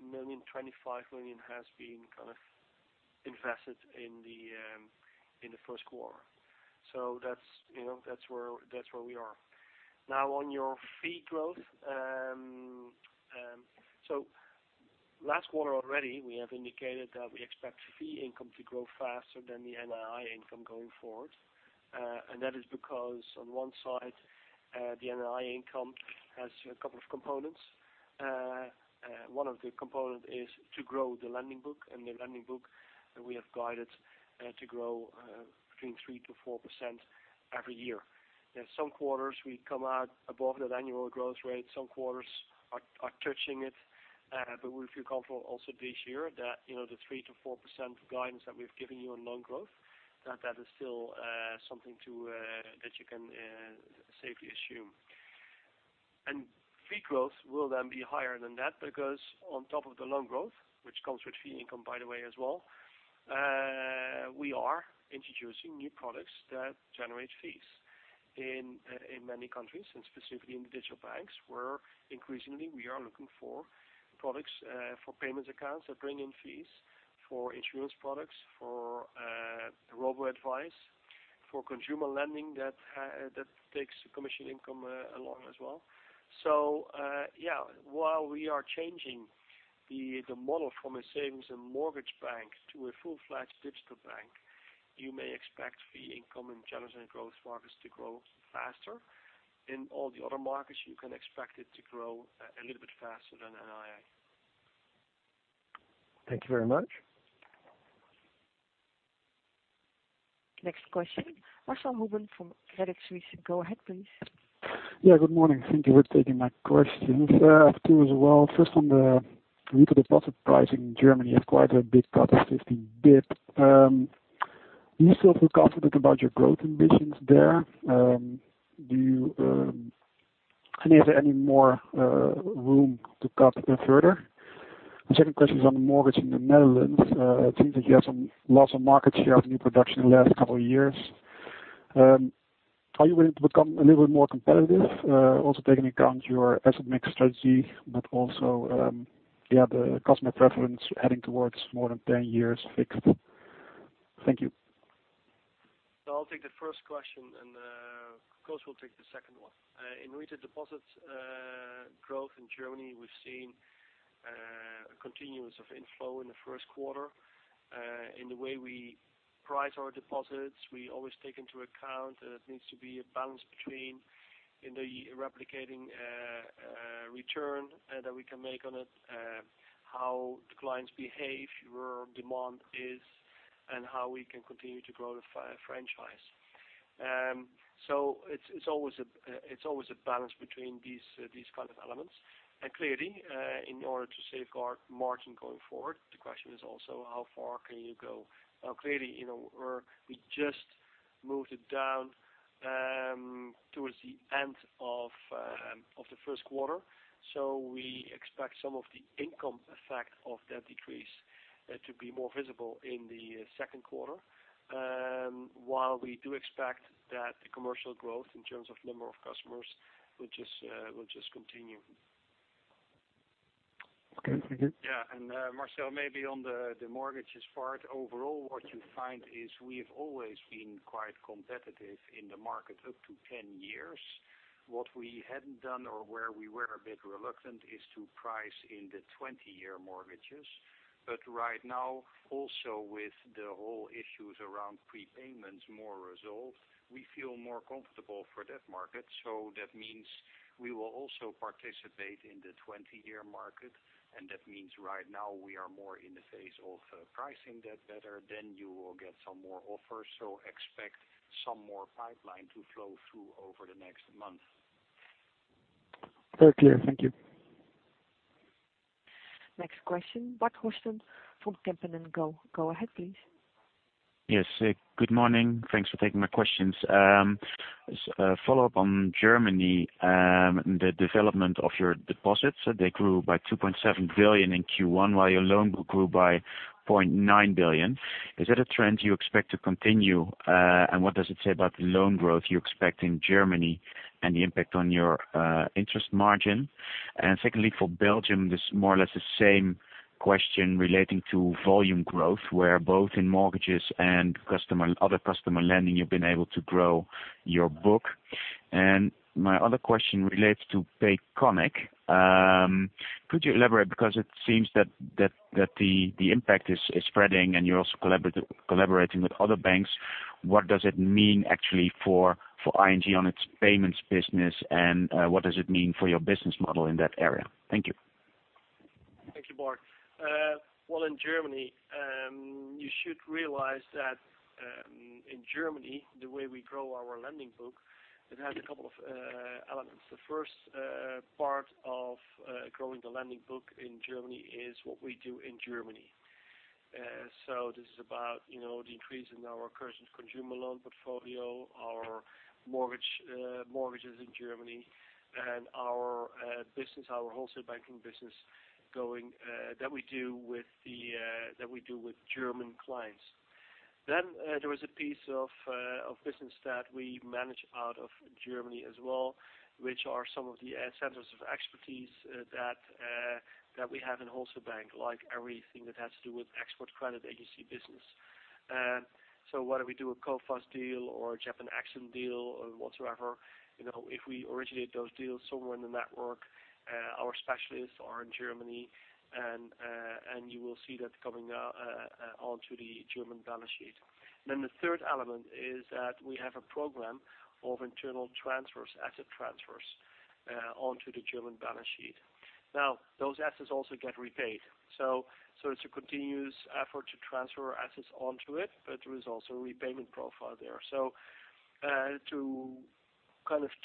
million, 25 million has been kind of invested in the first quarter. That's where we are. Now on your fee growth. Last quarter already, we have indicated that we expect fee income to grow faster than the NII income going forward. That is because on one side, the NII income has a couple of components. One of the component is to grow the lending book, and the lending book we have guided to grow between 3%-4% every year. In some quarters, we come out above that annual growth rate. Some quarters are touching it. We feel comfortable also this year that the 3%-4% guidance that we've given you on loan growth, that is still something that you can safely assume. Fee growth will then be higher than that, because on top of the loan growth, which comes with fee income by the way as well, we are introducing new products that generate fees in many countries, and specifically in digital banks, where increasingly we are looking for products for payments accounts that bring in fees for insurance products, for robo-advice, for consumer lending that takes commission income along as well. While we are changing the model from a savings and mortgage bank to a full-fledged digital bank, you may expect fee income in Challengers & Growth Markets to grow faster. In all the other markets, you can expect it to grow a little bit faster than NII. Thank you very much. Next question. Marcelo Hoben from Credit Suisse, go ahead, please. Yeah, good morning. Thank you for taking my questions. I have two as well. First, on the retail deposit pricing in Germany, you have quite a big cut of 50 basis points. Do you still feel confident about your growth ambitions there? Is there any more room to cut even further? The second question is on the mortgage in the Netherlands. It seems that you have some loss of market share of new production in the last couple of years. Are you willing to become a little bit more competitive, also taking account your asset mix strategy, but also the customer preference heading towards more than 10 years fixed? Thank you. I'll take the first question, Koos will take the second one. In retail deposits growth in Germany, we've seen a continuance of inflow in the first quarter. In the way we price our deposits, we always take into account that it needs to be a balance between in the replicating return that we can make on it, how the clients behave, where demand is, and how we can continue to grow the franchise. It's always a balance between these kind of elements. Clearly in order to safeguard margin going forward, the question is also how far can you go? Clearly, we just moved it down towards the end of the first quarter. We expect some of the income effect of that decrease to be more visible in the second quarter. While we do expect that the commercial growth in terms of number of customers will just continue. Okay, thank you. Yeah, Marcelo, maybe on the mortgages part, overall, what you find is we have always been quite competitive in the market up to 10 years. What we hadn't done or where we were a bit reluctant is to price in the 20-year mortgages. Right now, also with the whole issues around prepayments more resolved, we feel more comfortable for that market. That means we will also participate in the 20-year market. That means right now we are more in the phase of pricing that better. You will get some more offers, so expect some more pipeline to flow through over the next month. Very clear. Thank you. Next question. Bart Joosten from Kempen & Co. Go ahead, please. Yes. Good morning. Thanks for taking my questions. As a follow-up on Germany, the development of your deposits, they grew by 2.7 billion in Q1, while your loan book grew by 0.9 billion. Is that a trend you expect to continue? What does it say about the loan growth you expect in Germany and the impact on your interest margin? Secondly, for Belgium, this is more or less the same question relating to volume growth, where both in mortgages and other customer lending, you've been able to grow your book. My other question relates to Payconiq. Could you elaborate, because it seems that the impact is spreading and you're also collaborating with other banks. What does it mean actually for ING on its payments business, and what does it mean for your business model in that area? Thank you. Thank you, Bart. Well, in Germany you should realize that in Germany, the way we grow our lending book, it has a couple of elements. The first part of growing the lending book in Germany is what we do in Germany. This is about the increase in our incursion consumer loan portfolio, our mortgages in Germany, and our business, our Wholesale Banking business that we do with German clients. There is a piece of business that we manage out of Germany as well, which are some of the centers of expertise that we have in Wholesale Bank, like everything that has to do with export credit agency business. Whether we do a Coface deal or a JBIC deal or whatsoever, if we originate those deals somewhere in the network, our specialists are in Germany, and you will see that coming onto the German balance sheet. The third element is that we have a program of internal transfers, asset transfers onto the German balance sheet. Now, those assets also get repaid. It's a continuous effort to transfer assets onto it, but there is also a repayment profile there. To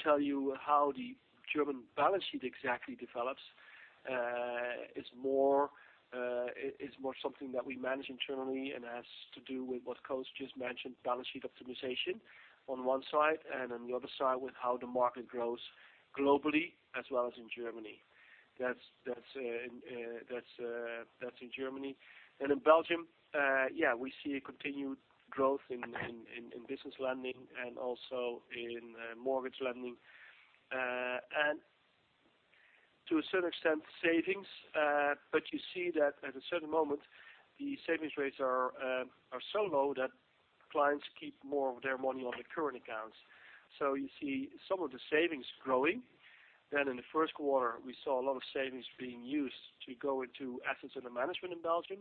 tell you how the German balance sheet exactly develops, it's more something that we manage internally and has to do with what Koos just mentioned, balance sheet optimization on one side and on the other side, with how the market grows globally as well as in Germany. That's in Germany. In Belgium, yeah, we see a continued growth in business lending and also in mortgage lending. To a certain extent, savings. You see that at a certain moment, the savings rates are so low that clients keep more of their money on their current accounts. You see some of the savings growing. In the first quarter, we saw a lot of savings being used to go into assets under management in Belgium.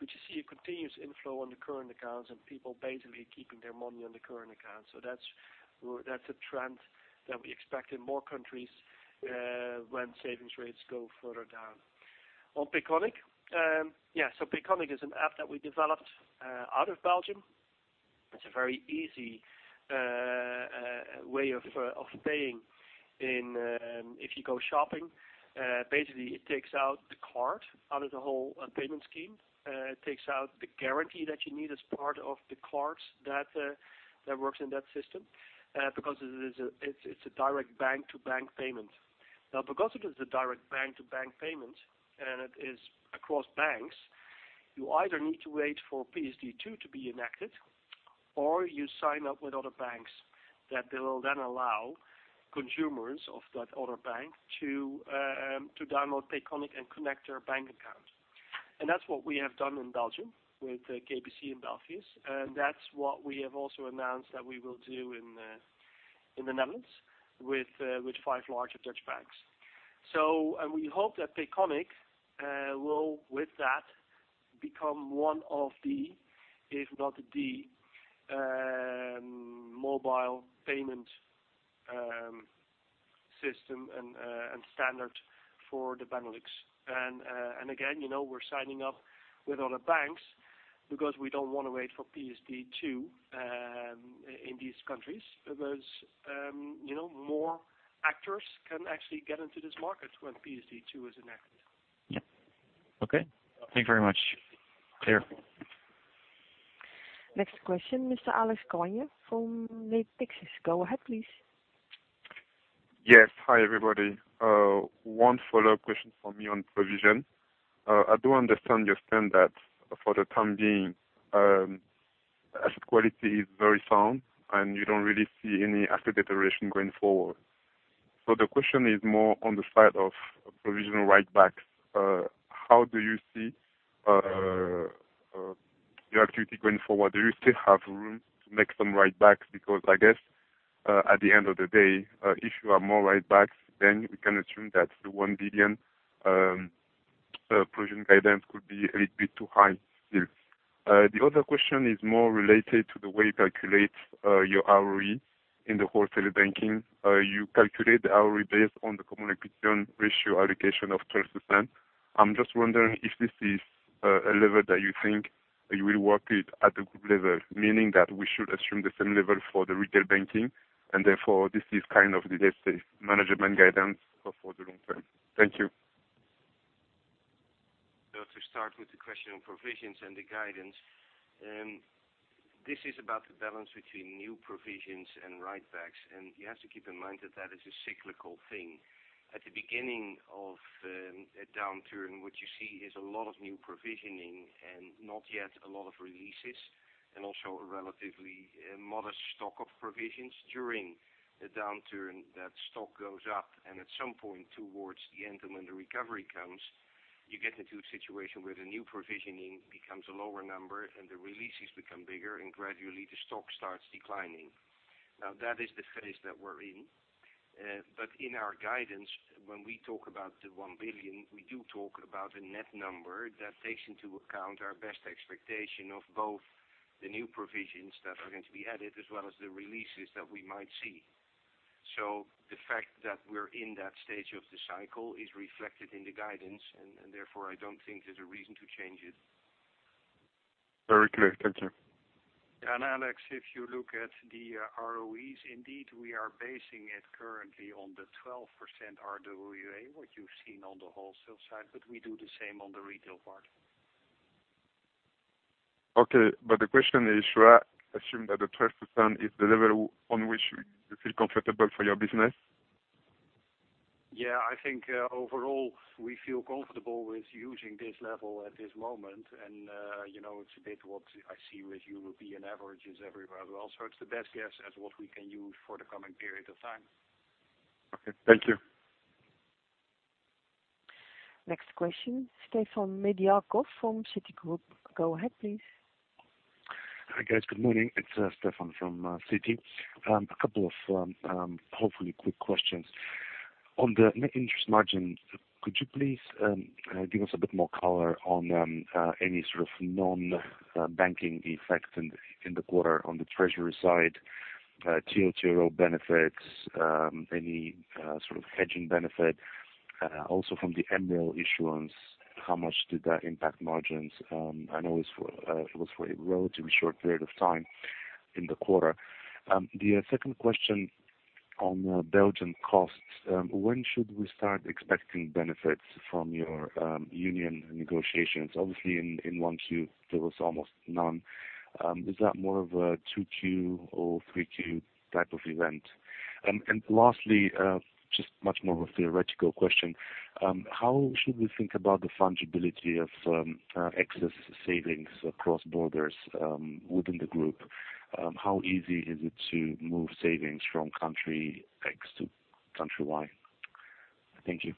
You see a continuous inflow on the current accounts and people basically keeping their money on the current account. That's a trend that we expect in more countries, when savings rates go further down. On Payconiq. Payconiq is an app that we developed out of Belgium. It's a very easy way of paying if you go shopping. Basically, it takes out the card out of the whole payment scheme. It takes out the guarantee that you need as part of the cards that works in that system, because it's a direct bank-to-bank payment. Because it is a direct bank-to-bank payment and it is across banks, you either need to wait for PSD2 to be enacted or you sign up with other banks that they will then allow consumers of that other bank to download Payconiq and connect their bank account. That's what we have done in Belgium with KBC and Belfius. That's what we have also announced that we will do in the Netherlands with five larger Dutch banks. We hope that Payconiq will, with that, become one of the, if not the, mobile payment system and standard for the Benelux. Again, we're signing up with other banks because we don't want to wait for PSD2 in these countries, because more actors can actually get into this market when PSD2 is enacted. Yeah. Okay. Thank you very much. Clear. Next question, Mr. Alex Koagne from Mediobanca. Go ahead, please. Yes. Hi, everybody. One follow-up question from me on provision. I do understand your stand that for the time being, asset quality is very sound and you don't really see any asset deterioration going forward. The question is more on the side of provision write-backs. How do you see your activity going forward? Do you still have room to make some write-backs? Because I guess, at the end of the day, if you have more write-backs, then we can assume that the 1 billion provision guidance could be a little bit too high still. The other question is more related to the way you calculate your ROE in the Wholesale Banking. You calculate the ROE based on the common equity ratio allocation of 12%. I'm just wondering if this is a level that you think you will work with at the group level, meaning that we should assume the same level for the retail banking, therefore this is kind of the best management guidance for the long term. Thank you. To start with the question on provisions and the guidance. This is about the balance between new provisions and write-backs, you have to keep in mind that that is a cyclical thing. At the beginning of a downturn, what you see is a lot of new provisioning not yet a lot of releases, also a relatively modest stock of provisions. During the downturn, that stock goes up at some point towards the end of when the recovery comes, you get into a situation where the new provisioning becomes a lower number the releases become bigger, gradually the stock starts declining. That is the phase that we're in. In our guidance, when we talk about the 1 billion, we do talk about a net number that takes into account our best expectation of both the new provisions that are going to be added as well as the releases that we might see. The fact that we're in that stage of the cycle is reflected in the guidance, therefore, I don't think there's a reason to change it. Very clear. Thank you. Alex, if you look at the ROEs, indeed, we are basing it currently on the 12% RWA, what you've seen on the Wholesale side, but we do the same on the Retail part. Okay. The question, is should I assume that the 12% is the level on which you feel comfortable for your business? Yeah, I think overall, we feel comfortable with using this level at this moment, and it's a bit what I see with European averages everywhere as well. It's the best guess as what we can use for the coming period of time. Okay. Thank you. Next question, Stefan Nedialkov from Citigroup. Go ahead please. Hi, guys. Good morning. It's Stefan from Citi. A couple of hopefully quick questions. On the net interest margin, could you please give us a bit more color on any sort of non-banking effects in the quarter on the treasury side? TLTRO benefits, any sort of hedging benefit. Also from the MREL issuance, how much did that impact margins? I know it was for a relatively short period of time in the quarter. The second question on Belgium costs. When should we start expecting benefits from your union negotiations? Obviously, in Q1, there was almost none. Is that more of a Q2 or Q3 type of event? Lastly, just much more of a theoretical question. How should we think about the fungibility of excess savings across borders within the group? How easy is it to move savings from country X to country Y? Thank you.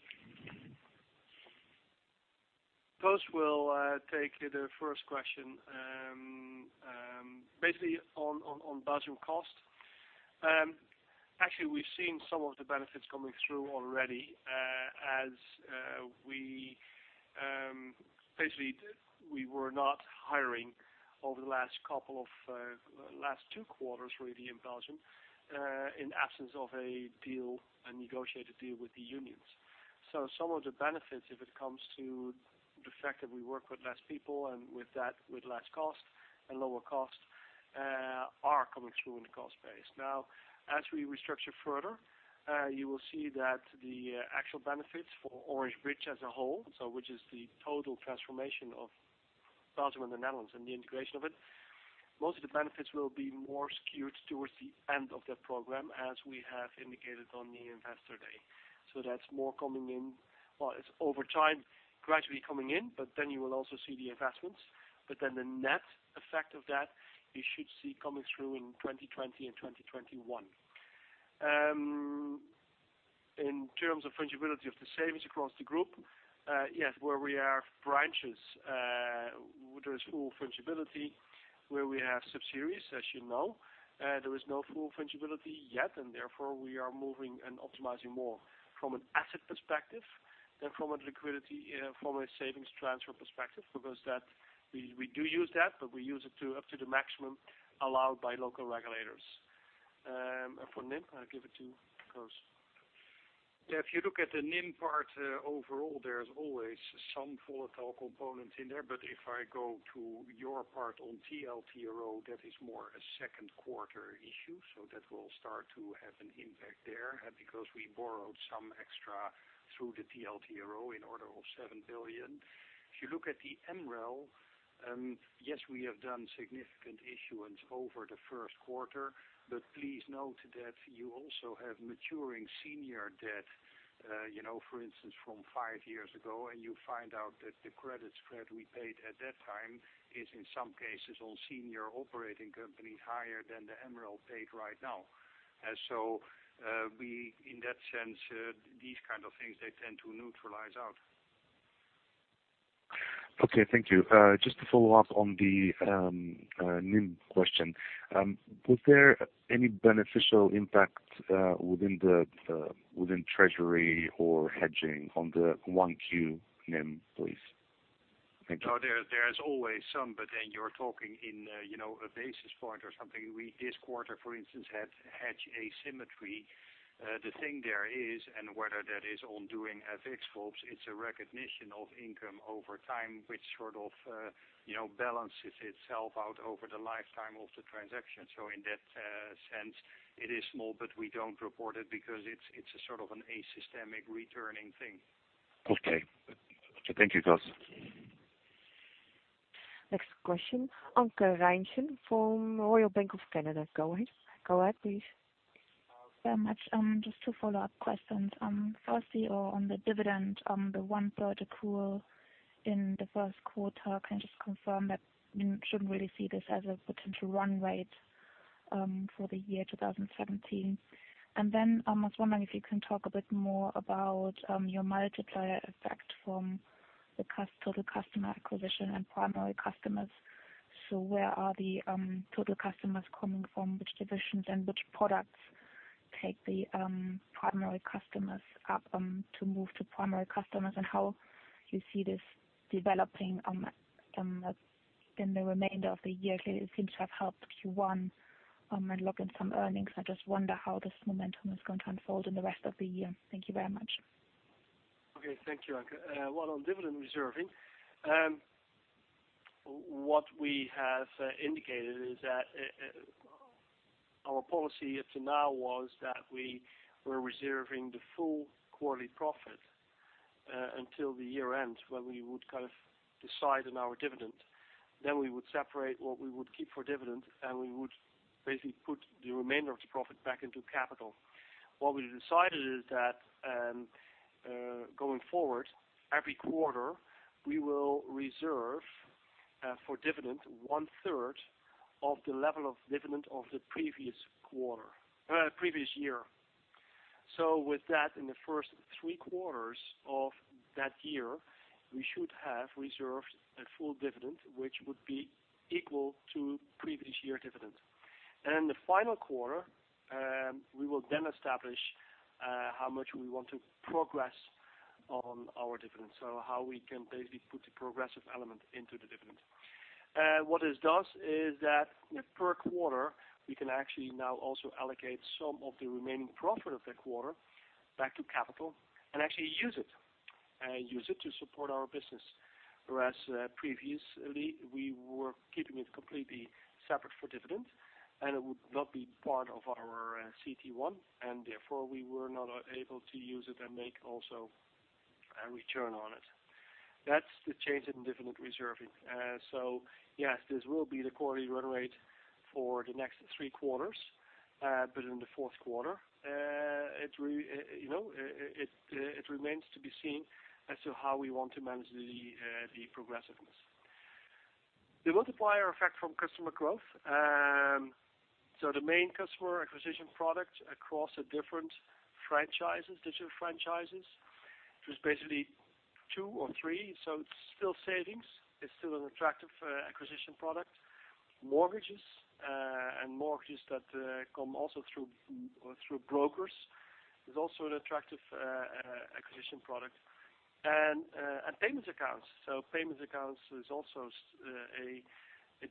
Koos will take the first question. Basically, on Belgium cost. Actually, we've seen some of the benefits coming through already, as we basically were not hiring over the last two quarters really in Belgium, in absence of a negotiated deal with the unions. Some of the benefits, if it comes to the fact that we work with less people and with that with less cost and lower cost, are coming through in the cost base. Now, as we restructure further, you will see that the actual benefits for Oranje Spaarrekening as a whole, which is the total transformation of Belgium and the Netherlands and the integration of it. Most of the benefits will be more skewed towards the end of the program, as we have indicated on the investor day. That's more coming in. Well, it's over time, gradually coming in, you will also see the investments. The net effect of that, you should see coming through in 2020 and 2021. In terms of fungibility of the savings across the group, yes, where we have branches there is full fungibility. Where we have subsidiaries, as you know, there is no full fungibility yet, and therefore we are moving and optimizing more from an asset perspective than from a savings transfer perspective, because we do use that, but we use it up to the maximum allowed by local regulators. For NIM, I'll give it to Koos. Yeah. If you look at the NIM part, overall, there's always some volatile component in there. If I go to your part on TLTRO, that is more a second quarter issue, so that will start to have an impact there because we borrowed some extra through the TLTRO in order of 7 billion. If you look at the MREL, yes, we have done significant issuance over the first quarter, please note that you also have maturing senior debt, for instance, from five years ago, and you find out that the credit spread we paid at that time is in some cases on senior operating companies higher than the MREL paid right now. In that sense, these kind of things, they tend to neutralize out. Okay, thank you. Just to follow up on the NIM question. Was there any beneficial impact within treasury or hedging on the Q1 NIM, please? Thank you. Oh, there is always some, you're talking in a basis point or something. We, this quarter, for instance, had hedge asymmetry. The thing there is, whether that is on doing FX swaps, it's a recognition of income over time, which sort of balances itself out over the lifetime of the transaction. In that sense, it is small, but we don't report it because it's a sort of an asystemic returning thing. Okay. Thank you, Koos. Next question. Anke Reingen from Royal Bank of Canada. Go ahead, please. Very much. Just two follow-up questions. Firstly, on the dividend, the one-third accrual in the first quarter. Can you just confirm that we shouldn't really see this as a potential run rate for the year 2017? I was wondering if you can talk a bit more about your multiplier effect from the total customer acquisition and primary customers. Where are the total customers coming from, which divisions and which products take the primary customers up to move to primary customers and how you see this developing in the remainder of the year. It seems to have helped Q1 and lock in some earnings. I just wonder how this momentum is going to unfold in the rest of the year. Thank you very much. Okay. Thank you, Anke. Well, on dividend reserving, what we have indicated is that our policy up to now was that we were reserving the full quarterly profit until the year end when we would kind of decide on our dividend. We would separate what we would keep for dividend, and we would basically put the remainder of the profit back into capital. What we decided is that, going forward, every quarter, we will reserve for dividend one-third of the level of dividend of the previous year. With that, in the first three quarters of that year, we should have reserved a full dividend, which would be equal to previous year dividend. In the final quarter, we will then establish how much we want to progress on our dividends. How we can basically put the progressive element into the dividend. What this does is that per quarter, we can actually now also allocate some of the remaining profit of that quarter back to capital and actually use it to support our business. Whereas previously, we were keeping it completely separate for dividends, and it would not be part of our CET1, and therefore we were not able to use it and make also a return on it. That's the change in dividend reserving. Yes, this will be the quarterly run rate for the next three quarters. In the fourth quarter, it remains to be seen as to how we want to manage the progressiveness. The multiplier effect from customer growth. The main customer acquisition product across the different franchises, digital franchises, it was basically two or three. It's still savings, it's still an attractive acquisition product. Mortgages, and mortgages that come also through brokers, is also an attractive acquisition product. Payments accounts. Payments accounts is also a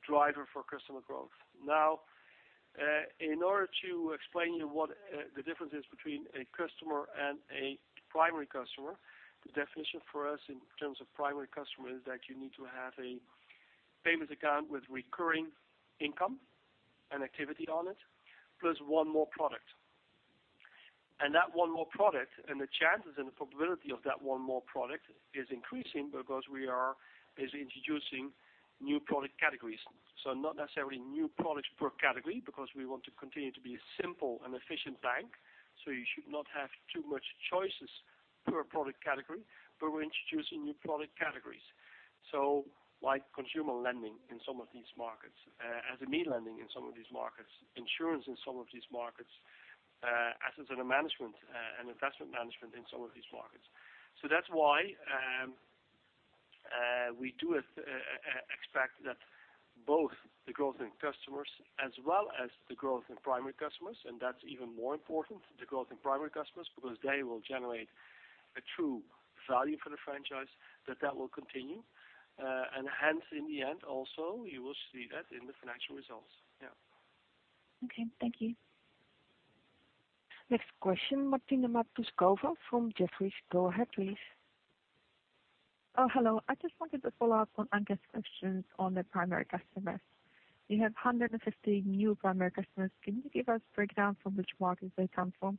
driver for customer growth. Now, in order to explain to you what the difference is between a customer and a primary customer, the definition for us in terms of primary customer is that you need to have a payments account with recurring income and activity on it, plus one more product. That one more product and the chances and the probability of that one more product is increasing because we are basically introducing new product categories. Not necessarily new products per category, because we want to continue to be a simple and efficient bank. You should not have too much choices per product category, but we're introducing new product categories. Like consumer lending in some of these markets, SME lending in some of these markets, insurance in some of these markets, assets under management and investment management in some of these markets. That's why we do expect that both the growth in customers as well as the growth in primary customers, and that's even more important, the growth in primary customers, because they will generate a true value for the franchise, that that will continue. Hence, in the end, also, you will see that in the financial results. Yeah. Okay. Thank you. Next question, Martina Matouskova from Jefferies. Go ahead, please. Hello. I just wanted to follow up on Anke's questions on the primary customers. You have 150 new primary customers. Can you give us breakdown from which markets they come from,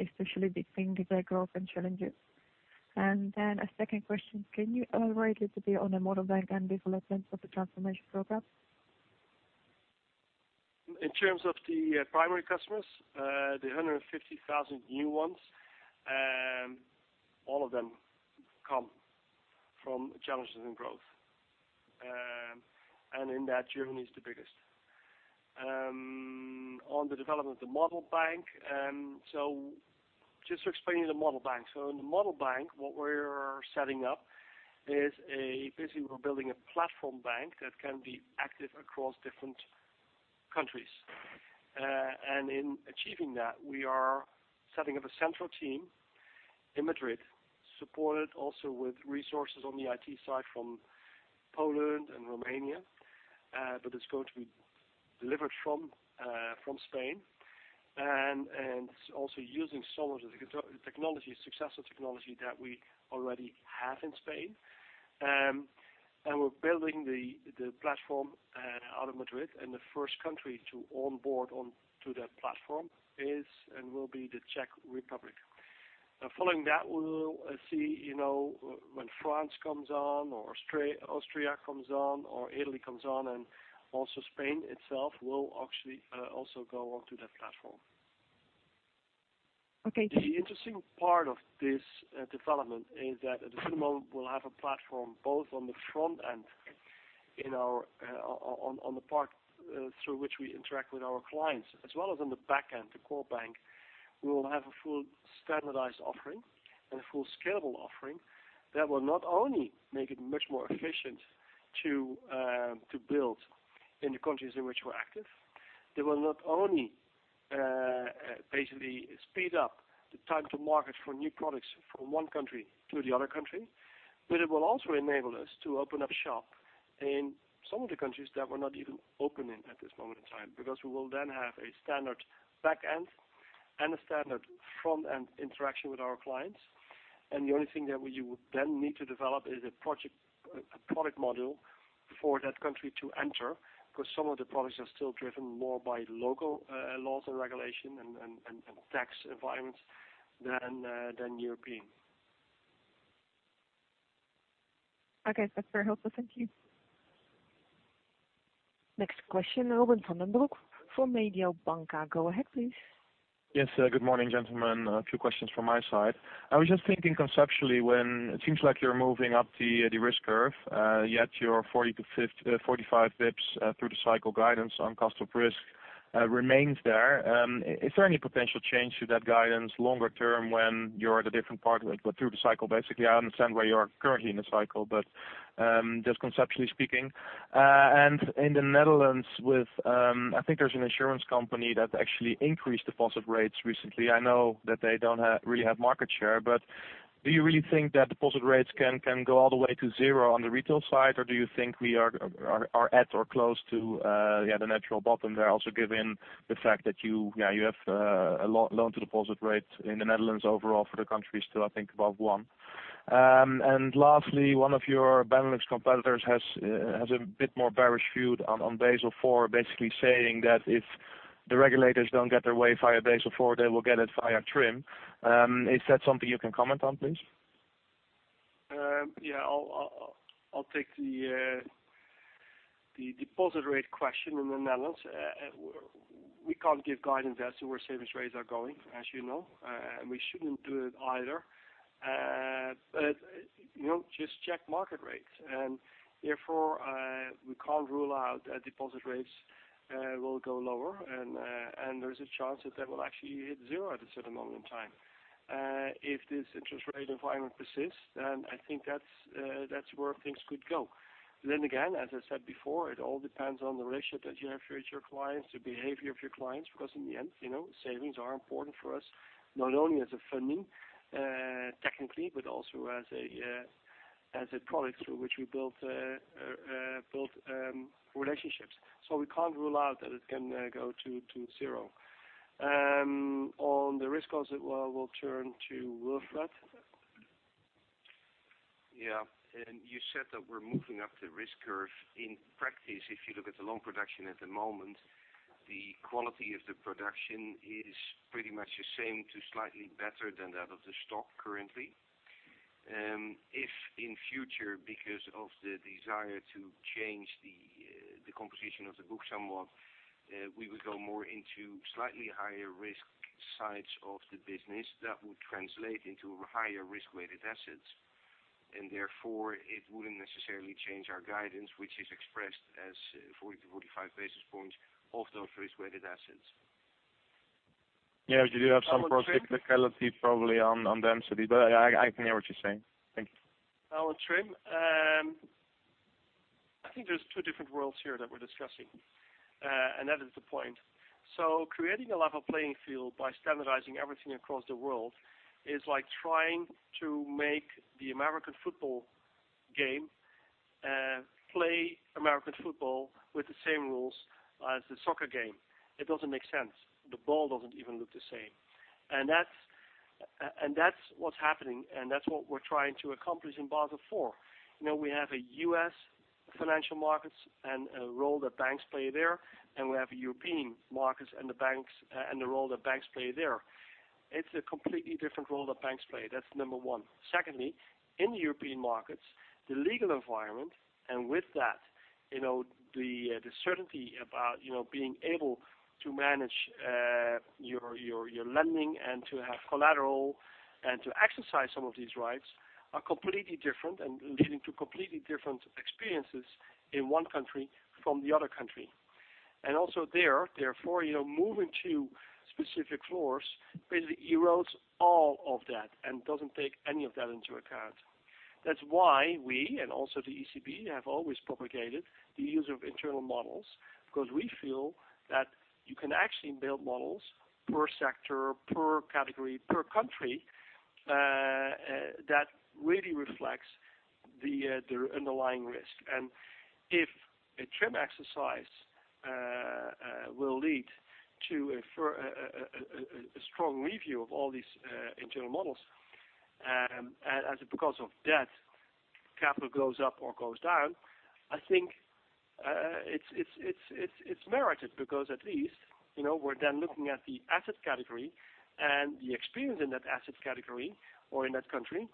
especially between the Growth and Challengers? A second question, can you elaborate a little bit on the Model Bank and developments of the transformation program? In terms of the primary customers, the 150,000 new ones, all of them come from Challengers and Growth. In that, Germany is the biggest. On the development of the Model Bank. Just to explain you the Model Bank. In the Model Bank, what we're setting up is, basically we're building a platform bank that can be active across different countries. In achieving that, we are setting up a central team in Madrid, supported also with resources on the IT side from Poland and Romania, but it's going to be delivered from Spain and also using some of the successful technology that we already have in Spain. We're building the platform out of Madrid, and the first country to onboard onto that platform is and will be the Czech Republic. Following that, we will see when France comes on or Austria comes on or Italy comes on, also Spain itself will actually also go onto that platform. Okay. The interesting part of this development is that at the same moment, we'll have a platform both on the front-end on the part through which we interact with our clients, as well as on the back-end, the core bank. We will have a full standardized offering and a full scalable offering that will not only make it much more efficient to build in the countries in which we're active, that will not only basically speed up the time to market for new products from one country to the other country, but it will also enable us to open up shop in some of the countries that we're not even open in at this moment in time. We will then have a standard back-end and a standard front-end interaction with our clients. The only thing that you would then need to develop is a product model for that country to enter, because some of the products are still driven more by local laws and regulation and tax environments than European. Okay. That's very helpful. Thank you. Next question, Robin van den Broek from Mediobanca. Go ahead, please. Yes. Good morning, gentlemen. A few questions from my side. I was just thinking conceptually when it seems like you're moving up the risk curve, yet your 40 to 45 bps through the cycle guidance on cost of risk remains there. Is there any potential change to that guidance longer term when you're at a different part through the cycle, basically? I understand where you are currently in the cycle, but just conceptually speaking. In the Netherlands with, I think there's an insurance company that actually increased deposit rates recently. I know that they don't really have market share. Do you really think that deposit rates can go all the way to zero on the retail side, or do you think we are at or close to the natural bottom there, also given the fact that you have a loan-to-deposit rate in the Netherlands overall for the country still, I think above one. Lastly, one of your Benelux competitors has a bit more bearish view on Basel IV, basically saying that if the regulators don't get their way via Basel IV, they will get it via TRIM. Is that something you can comment on, please? Yeah. I'll take the deposit rate question in the Netherlands. We can't give guidance as to where savings rates are going, as you know. We shouldn't do it either. Just check market rates, therefore, we can't rule out that deposit rates will go lower, and there is a chance that they will actually hit zero at a certain moment in time. If this interest rate environment persists, I think that's where things could go. Again, as I said before, it all depends on the relationship that you have with your clients, the behavior of your clients. In the end, savings are important for us, not only as a funding technically, but also as a product through which we build relationships. We can't rule out that it can go to zero. On the risk cost, we'll turn to Wilfred. Yeah. You said that we're moving up the risk curve. In practice, if you look at the loan production at the moment, the quality of the production is pretty much the same to slightly better than that of the stock currently. If in future, because of the desire to change the composition of the book somewhat, we would go more into slightly higher risk sides of the business, that would translate into higher risk-weighted assets. Therefore, it wouldn't necessarily change our guidance, which is expressed as 40 to 45 basis points of those risk-weighted assets. Yeah, you do have some probably on the MCV. I can hear what you're saying. Thank you. On TRIM, I think there's two different worlds here that we're discussing. That is the point. Creating a level playing field by standardizing everything across the world is like trying to make the American football game play American football with the same rules as the soccer game. It doesn't make sense. The ball doesn't even look the same. That's what's happening, and that's what we're trying to accomplish in Basel IV. We have a U.S. financial markets and a role that banks play there, and we have a European markets and the role that banks play there. It's a completely different role that banks play. That's number one. Secondly, in the European markets, the legal environment, and with that, the certainty about being able to manage your lending and to have collateral and to exercise some of these rights are completely different and leading to completely different experiences in one country from the other country. Also there, therefore, moving to specific floors basically erodes all of that and doesn't take any of that into account. That's why we and also the ECB have always propagated the use of internal models because we feel that you can actually build models per sector, per category, per country, that really reflects the underlying risk. If a TRIM exercise will lead to a strong review of all these internal models, and because of that, capital goes up or goes down, I think it's merited because at least, we're then looking at the asset category and the experience in that asset category or in that country,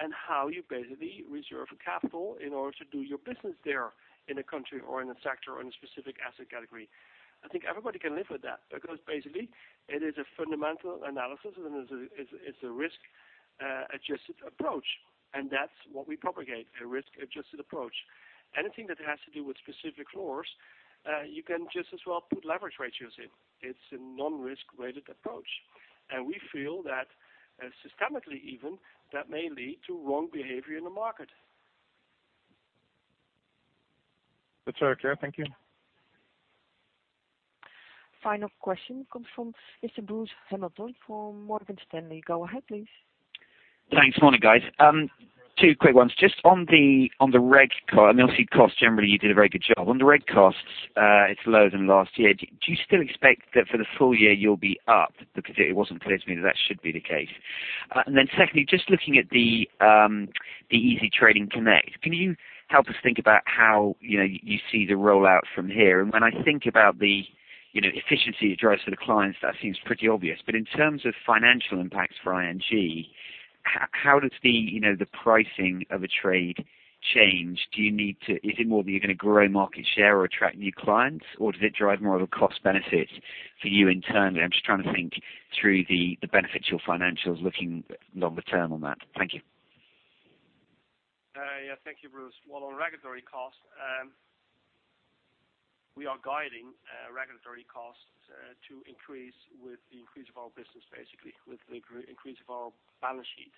and how you basically reserve a capital in order to do your business there in a country or in a sector or in a specific asset category. I think everybody can live with that because basically it is a fundamental analysis and it's a risk-adjusted approach, and that's what we propagate, a risk-adjusted approach. Anything that has to do with specific floors, you can just as well put leverage ratios in. It's a non-risk-weighted approach. We feel that systemically even, that may lead to wrong behavior in the market. That's very clear. Thank you. Final question comes from Bruce Hamilton from Morgan Stanley. Go ahead, please. Thanks. Morning, guys. Two quick ones. Just on the reg, and obviously cost generally, you did a very good job. On the reg costs, it's lower than last year. Do you still expect that for the full year you'll be up? It wasn't clear to me that should be the case. Secondly, just looking at the Easy Trading Connect, can you help us think about how you see the rollout from here? When I think about the efficiency it drives for the clients, that seems pretty obvious. In terms of financial impacts for ING, how does the pricing of a trade change? Is it more that you're going to grow market share or attract new clients, or does it drive more of a cost benefit for you internally? I'm just trying to think through the benefits your financials looking longer term on that. Thank you. Yeah. Thank you, Bruce. Well, on regulatory cost, we are guiding regulatory costs to increase with the increase of our business, basically with the increase of our balance sheet.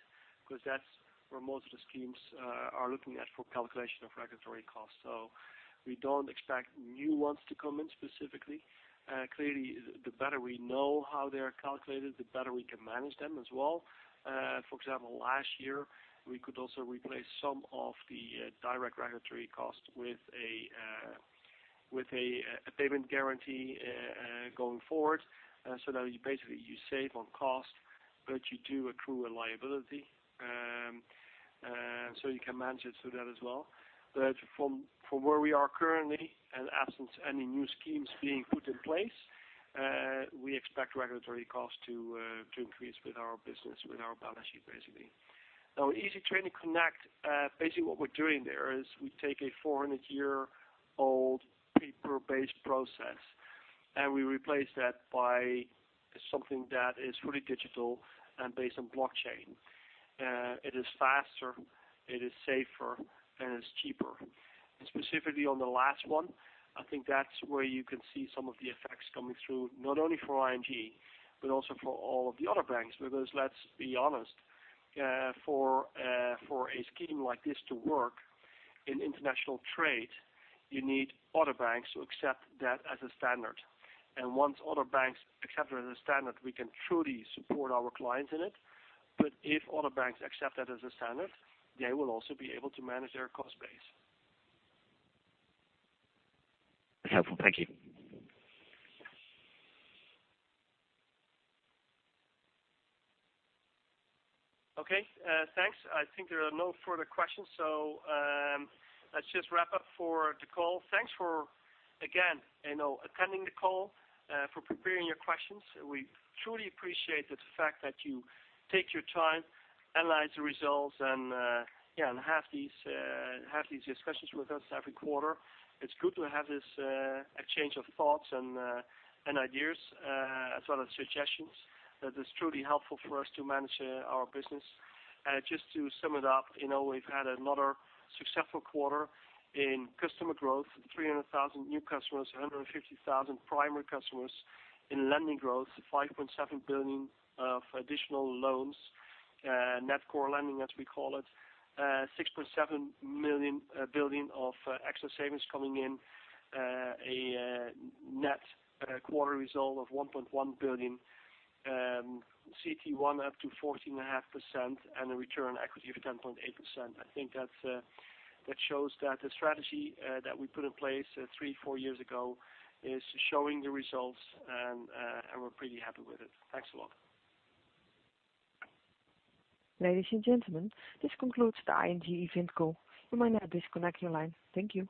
That's where most of the schemes are looking at for calculation of regulatory costs. We don't expect new ones to come in specifically. Clearly, the better we know how they're calculated, the better we can manage them as well. For example, last year, we could also replace some of the direct regulatory costs with a payment guarantee going forward. Now you basically save on cost, but you do accrue a liability. You can manage it through that as well. From where we are currently, and absence any new schemes being put in place, we expect regulatory costs to increase with our business, with our balance sheet, basically. Now, Easy Trading Connect, basically what we're doing there is we take a 400-year-old paper-based process, and we replace that by something that is fully digital and based on blockchain. It is faster, it is safer, and it's cheaper. Specifically on the last one, I think that's where you can see some of the effects coming through, not only for ING, but also for all of the other banks. Let's be honest, for a scheme like this to work in international trade, you need other banks to accept that as a standard. Once other banks accept it as a standard, we can truly support our clients in it. If other banks accept that as a standard, they will also be able to manage their cost base. That's helpful. Thank you. Okay. Thanks. I think there are no further questions. Let's just wrap up for the call. Thanks for, again, attending the call, for preparing your questions. We truly appreciate the fact that you take your time, analyze the results and have these discussions with us every quarter. It's good to have this exchange of thoughts and ideas, as well as suggestions. That is truly helpful for us to manage our business. Just to sum it up, we've had another successful quarter in customer growth, 300,000 new customers, 150,000 primary customers in lending growth, 5.7 billion of additional loans, net core lending, as we call it, 6.7 billion of excess savings coming in, a net quarter result of 1.1 billion, CET1 up to 14.5% and a return equity of 10.8%. I think that shows that the strategy that we put in place three, four years ago is showing the results, and we're pretty happy with it. Thanks a lot. Ladies and gentlemen, this concludes the ING event call. You may now disconnect your line. Thank you.